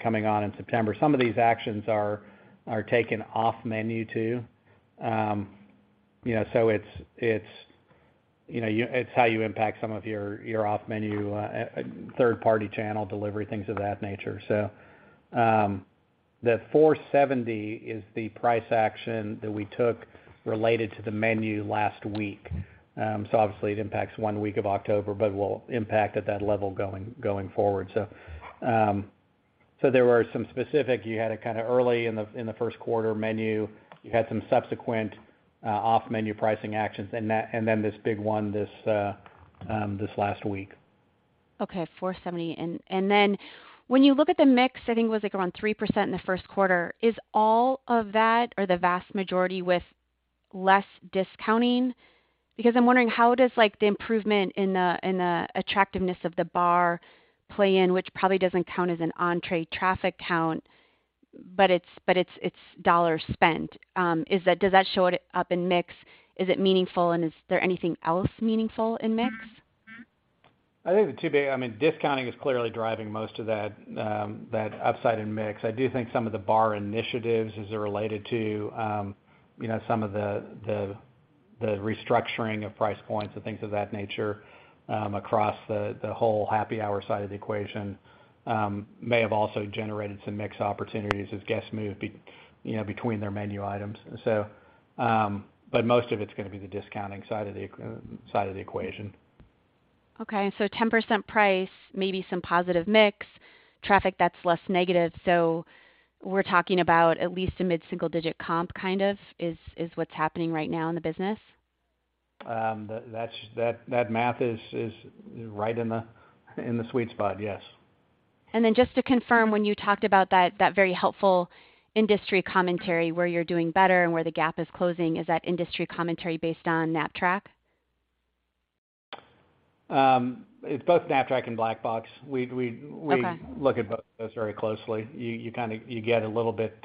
coming on in September. Some of these actions are taken off menu too. You know, it's how you impact some of your off menu third party channel delivery, things of that nature. The 4.70% is the price action that we took related to the menu last week. Obviously it impacts one week of October, but will impact at that level going forward. There were some specific, you had a kind of early in the Q1 menu, you had some subsequent off-menu pricing actions and that, and then this big one, this last week. Okay, 4.70%. Then when you look at the mix, I think it was like around 3% in the Q1. Is all of that or the vast majority with less discounting? Because I'm wondering how does like the improvement in the attractiveness of the bar play in, which probably doesn't count as an entree traffic count, but it's dollar spent. Is that? Does that show up in mix? Is it meaningful, and is there anything else meaningful in mix? I think, I mean, discounting is clearly driving most of that upside in mix. I do think some of the bar initiatives as they're related to some of the restructuring of price points and things of that nature across the whole happy hour side of the equation may have also generated some mix opportunities as guests move between their menu items. Most of it's gonna be the discounting side of the equation. Okay. 10% price, maybe some positive mix, traffic that's less negative. We're talking about at least a mid-single digit comp kind of is what's happening right now in the business. That math is right in the sweet spot. Yes. Just to confirm, when you talked about that very helpful industry commentary where you're doing better and where the gap is closing, is that industry commentary based on Knapp-Track? It's both Knapp-Track and Black Box. Okay. We look at both those very closely. You kinda get a little bit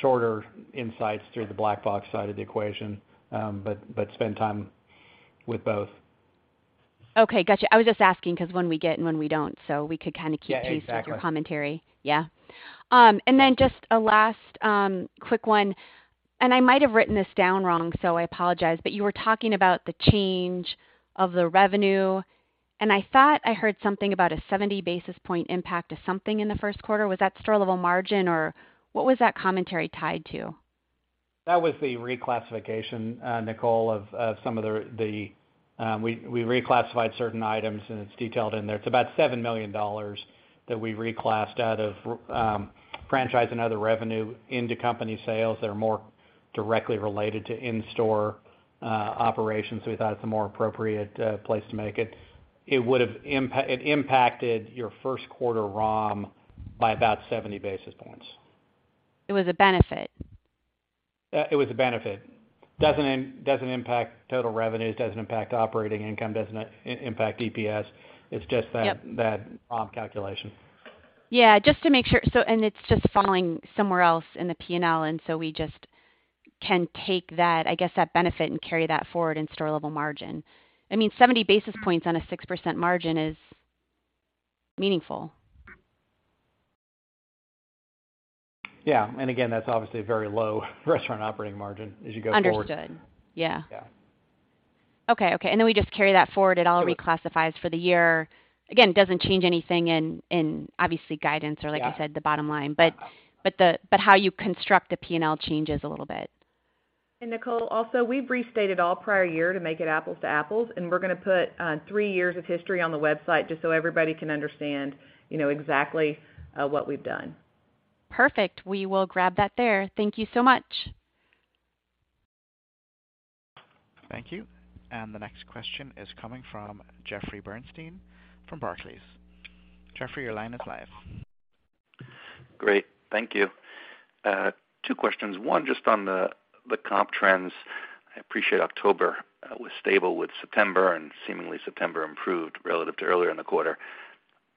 shorter insights through the Black Box side of the equation, but spend time with both. Okay. Gotcha. I was just asking 'cause when we get and when we don't, so we could kinda keep- Yeah, exactly. Keep pace with your commentary. Yeah. Just a last quick one, and I might have written this down wrong, so I apologize. You were talking about the change in the revenue, and I thought I heard something about a 70 basis point impact of something in the Q1. Was that store level margin or what was that commentary tied to? That was the reclassification, Nicole, of some of the. We reclassified certain items and it's detailed in there. It's about $7 million that we reclassed out of franchise and other revenue into company sales that are more directly related to in-store operations, so we thought it's a more appropriate place to make it. It impacted your Q1 ROM by about 70 basis points. It was a benefit. It was a benefit. Doesn't impact total revenues, doesn't impact operating income, doesn't impact EPS. It's just that. Yep. that ROM calculation. Yeah, just to make sure. It's just falling somewhere else in the P&L, and so we just can take that, I guess, that benefit and carry that forward in store level margin. I mean, 70 basis points on a 6% margin is meaningful. Yeah. Again, that's obviously a very low restaurant operating margin as you go forward. Understood. Yeah. Yeah. Okay. We just carry that forward. It all reclassifies for the year. Again, doesn't change anything in obviously guidance or like I said. Yeah. the bottom line. Uh-huh. How you construct the P&L changes a little bit. Nicole, also, we've restated all prior year to make it apples to apples, and we're gonna put three years of history on the website just so everybody can understand, you know, exactly what we've done. Perfect. We will grab that there. Thank you so much. Thank you. The next question is coming from Jeffrey Bernstein from Barclays. Jeffrey, your line is live. Great. Thank you. Two questions. One, just on the comp trends. I appreciate October was stable with September, and seemingly September improved relative to earlier in the quarter.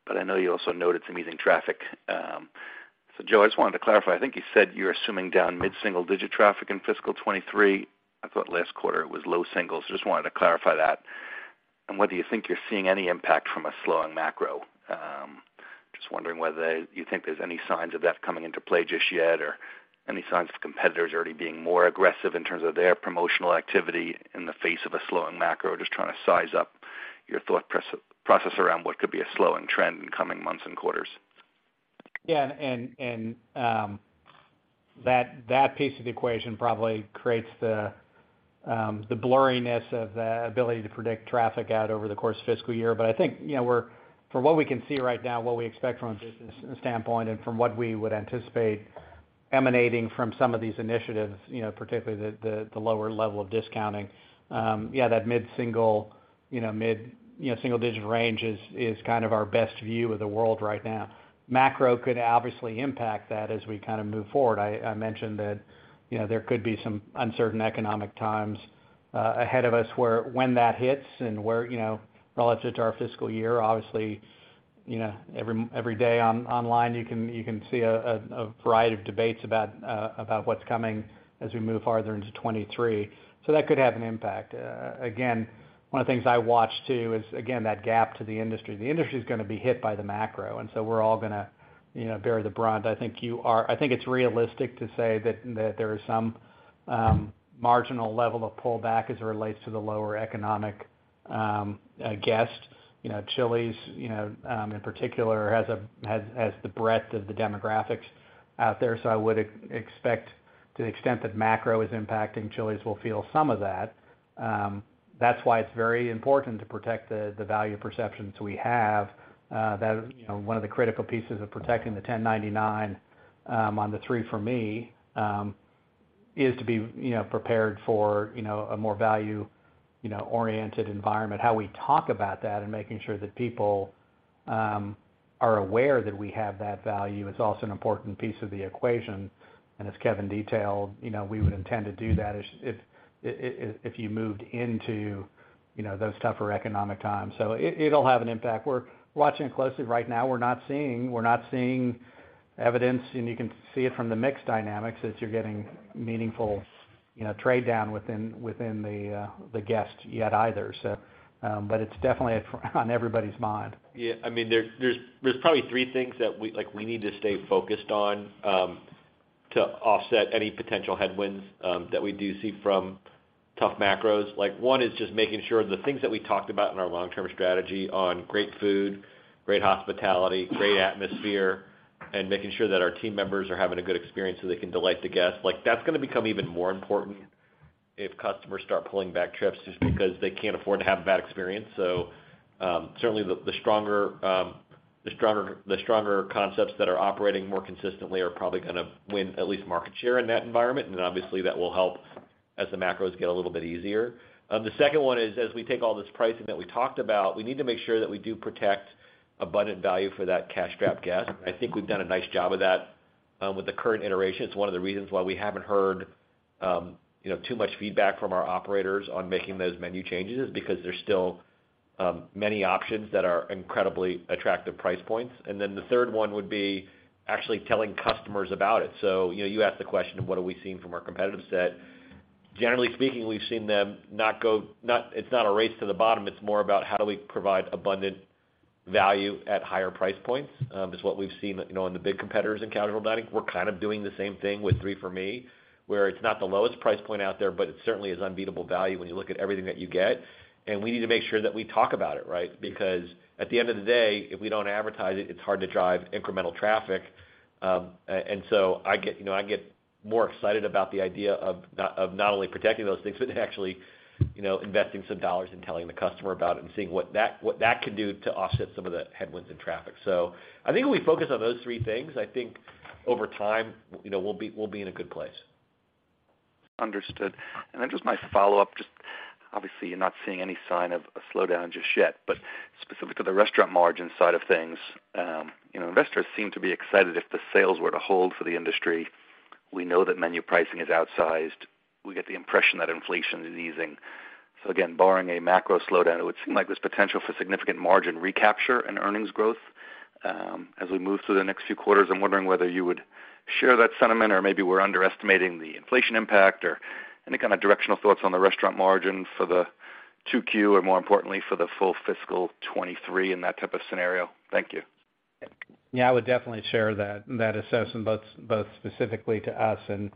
I know you also noted some easing traffic. So Joe, I just wanted to clarify. I think you said you're assuming down mid-single digit traffic in fiscal 2023. I thought last quarter it was low singles. Just wanted to clarify that. Whether you think you're seeing any impact from a slowing macro. Just wondering whether you think there's any signs of that coming into play just yet, or any signs of competitors already being more aggressive in terms of their promotional activity in the face of a slowing macro, just trying to size up your thought process around what could be a slowing trend in coming months and quarters. Yeah. That piece of the equation probably creates the blurriness of the ability to predict traffic out over the course of fiscal year. But I think, you know, from what we can see right now, what we expect from a business standpoint and from what we would anticipate emanating from some of these initiatives, you know, particularly the lower level of discounting, yeah, that mid-single-digit range is kind of our best view of the world right now. Macro could obviously impact that as we kinda move forward. I mentioned that, you know, there could be some uncertain economic times ahead of us where when that hits and where, you know, relative to our fiscal year, obviously, you know, every day online, you can see a variety of debates about about what's coming as we move farther into 2023. That could have an impact. Again, one of the things I watch too is again, that gap to the industry. The industry is gonna be hit by the macro, and so we're all gonna, you know, bear the brunt. I think it's realistic to say that there is some marginal level of pullback as it relates to the lower economic guest. You know, Chili's in particular has the breadth of the demographics out there. I would expect to the extent that macro is impacting, Chili's will feel some of that. That's why it's very important to protect the value perceptions we have, you know, one of the critical pieces of protecting the $10.99 on the 3 for Me is to be, you know, prepared for, you know, a more value-oriented environment. How we talk about that and making sure that people are aware that we have that value is also an important piece of the equation. As Kevin detailed, you know, we would intend to do that as if you moved into, you know, those tougher economic times. It'll have an impact. We're watching it closely right now. We're not seeing evidence, and you can see it from the mix dynamics, that you're getting meaningful, you know, trade down within the guest base either. It's definitely on everybody's mind. Yeah, I mean, there's probably three things that we need to stay focused on to offset any potential headwinds that we do see from tough macros. Like, one is just making sure the things that we talked about in our long-term strategy on great food, great hospitality, great atmosphere, and making sure that our team members are having a good experience so they can delight the guests. Like, that's gonna become even more important if customers start pulling back trips just because they can't afford to have a bad experience. Certainly the stronger concepts that are operating more consistently are probably gonna win at least market share in that environment. Obviously, that will help as the macros get a little bit easier. The second one is, as we take all this pricing that we talked about, we need to make sure that we do protect abundant value for that cash-strapped guest. I think we've done a nice job of that with the current iteration. It's one of the reasons why we haven't heard you know, too much feedback from our operators on making those menu changes because there's still many options that are incredibly attractive price points. The third one would be actually telling customers about it. You know, you asked the question of what are we seeing from our competitive set. Generally speaking, we've seen them. It's not a race to the bottom, it's more about how do we provide abundant value at higher price points is what we've seen you know, in the big competitors in casual dining. We're kind of doing the same thing with 3 for Me, where it's not the lowest price point out there, but it certainly is unbeatable value when you look at everything that you get. We need to make sure that we talk about it, right? Because at the end of the day, if we don't advertise it's hard to drive incremental traffic. And so I get, you know, more excited about the idea of not only protecting those things, but actually, you know, investing some dollars and telling the customer about it and seeing what that can do to offset some of the headwinds in traffic. I think if we focus on those three things, I think over time, you know, we'll be in a good place. Understood. Then just my follow-up, just obviously you're not seeing any sign of a slowdown just yet. But specific to the restaurant margin side of things, you know, investors seem to be excited if the sales were to hold for the industry. We know that menu pricing is outsized. We get the impression that inflation is easing. Barring a macro slowdown, it would seem like there's potential for significant margin recapture and earnings growth, as we move through the next few quarters. I'm wondering whether you would share that sentiment or maybe we're underestimating the inflation impact or any kind of directional thoughts on the restaurant margin for the 2Q or more importantly for the full fiscal 2023 in that type of scenario. Thank you. Yeah, I would definitely share that assessment both specifically to us and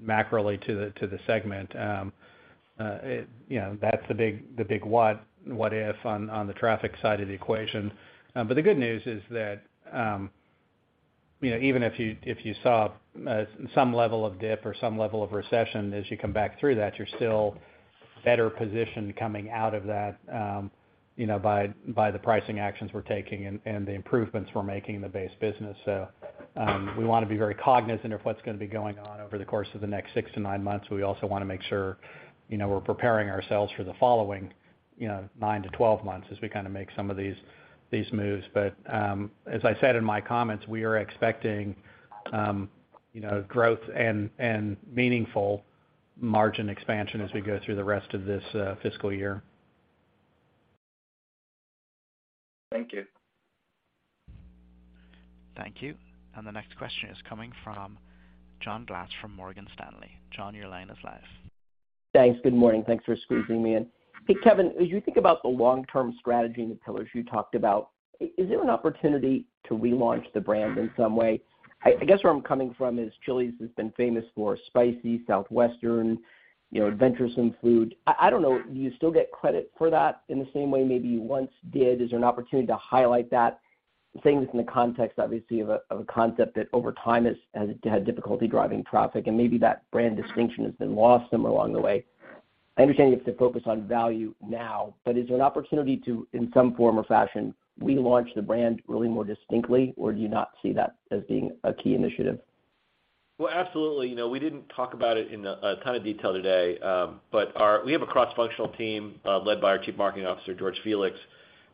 macro to the segment. You know, that's the big what if on the traffic side of the equation. The good news is that you know, even if you saw some level of dip or some level of recession as you come back through that, you're still better positioned coming out of that you know, by the pricing actions we're taking and the improvements we're making in the base business. We wanna be very cognizant of what's gonna be going on over the course of the next six-nine months. We also wanna make sure, you know, we're preparing ourselves for the following, you know, nine-12 months as we kinda make some of these moves. As I said in my comments, we are expecting, you know, growth and meaningful margin expansion as we go through the rest of this fiscal year. Thank you. Thank you. The next question is coming from John Glass from Morgan Stanley. John, your line is live. Thanks. Good morning. Thanks for squeezing me in. Hey, Kevin, as you think about the long-term strategy and the pillars you talked about, is there an opportunity to relaunch the brand in some way? I guess where I'm coming from is Chili's has been famous for spicy Southwestern, you know, adventuresome food. I don't know, do you still get credit for that in the same way maybe you once did? Is there an opportunity to highlight that saying within the context, obviously, of a concept that over time has had difficulty driving traffic, and maybe that brand distinction has been lost somewhere along the way? I understand you have to focus on value now, but is there an opportunity to, in some form or fashion, relaunch the brand really more distinctly, or do you not see that as being a key initiative? Well, absolutely. You know, we didn't talk about it in a ton of detail today, but we have a cross-functional team, led by our Chief Marketing Officer, George Felix,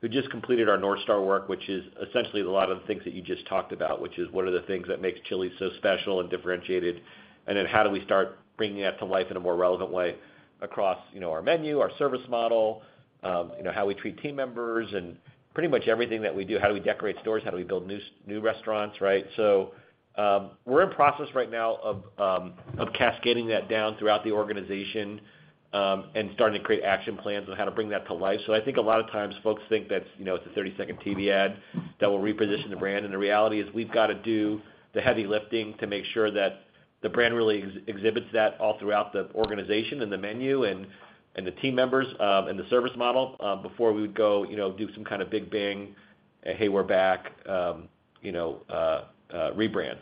who just completed our North Star work, which is essentially a lot of the things that you just talked about, which is what are the things that makes Chili's so special and differentiated, and then how do we start bringing that to life in a more relevant way across, you know, our menu, our service model, you know, how we treat team members and pretty much everything that we do. How do we decorate stores? How do we build new restaurants, right? We're in process right now of cascading that down throughout the organization, and starting to create action plans on how to bring that to life. I think a lot of times folks think that's, you know, it's a 30-second TV ad that will reposition the brand, and the reality is we've gotta do the heavy lifting to make sure that the brand really exhibits that all throughout the organization and the menu and the team members, and the service model, before we would go, you know, do some kind of big bang, "Hey, we're back," you know, rebrand.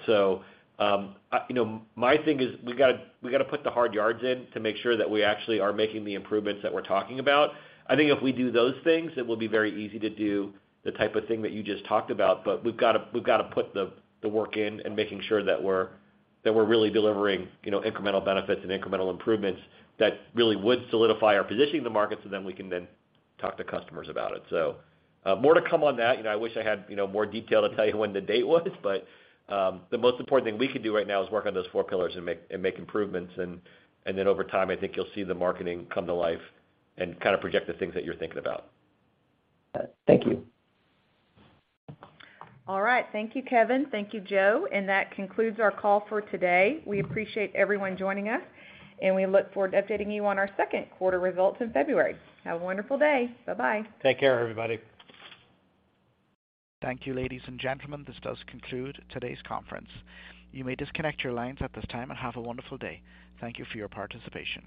You know, my thing is we gotta put the hard yards in to make sure that we actually are making the improvements that we're talking about. I think if we do those things, it will be very easy to do the type of thing that you just talked about. We've gotta put the work in and making sure that we're really delivering, you know, incremental benefits and incremental improvements that really would solidify our position in the market, so then we can then talk to customers about it. More to come on that. You know, I wish I had, you know, more detail to tell you when the date was. The most important thing we can do right now is work on those four pillars and make improvements. Then over time, I think you'll see the marketing come to life and kinda project the things that you're thinking about. Thank you. All right. Thank you, Kevin. Thank you, Joe. That concludes our call for today. We appreciate everyone joining us, and we look forward to updating you on our Q2 results in February. Have a wonderful day. Bye-bye. Take care, everybody. Thank you, ladies and gentlemen. This does conclude today's conference. You may disconnect your lines at this time, and have a wonderful day. Thank you for your participation.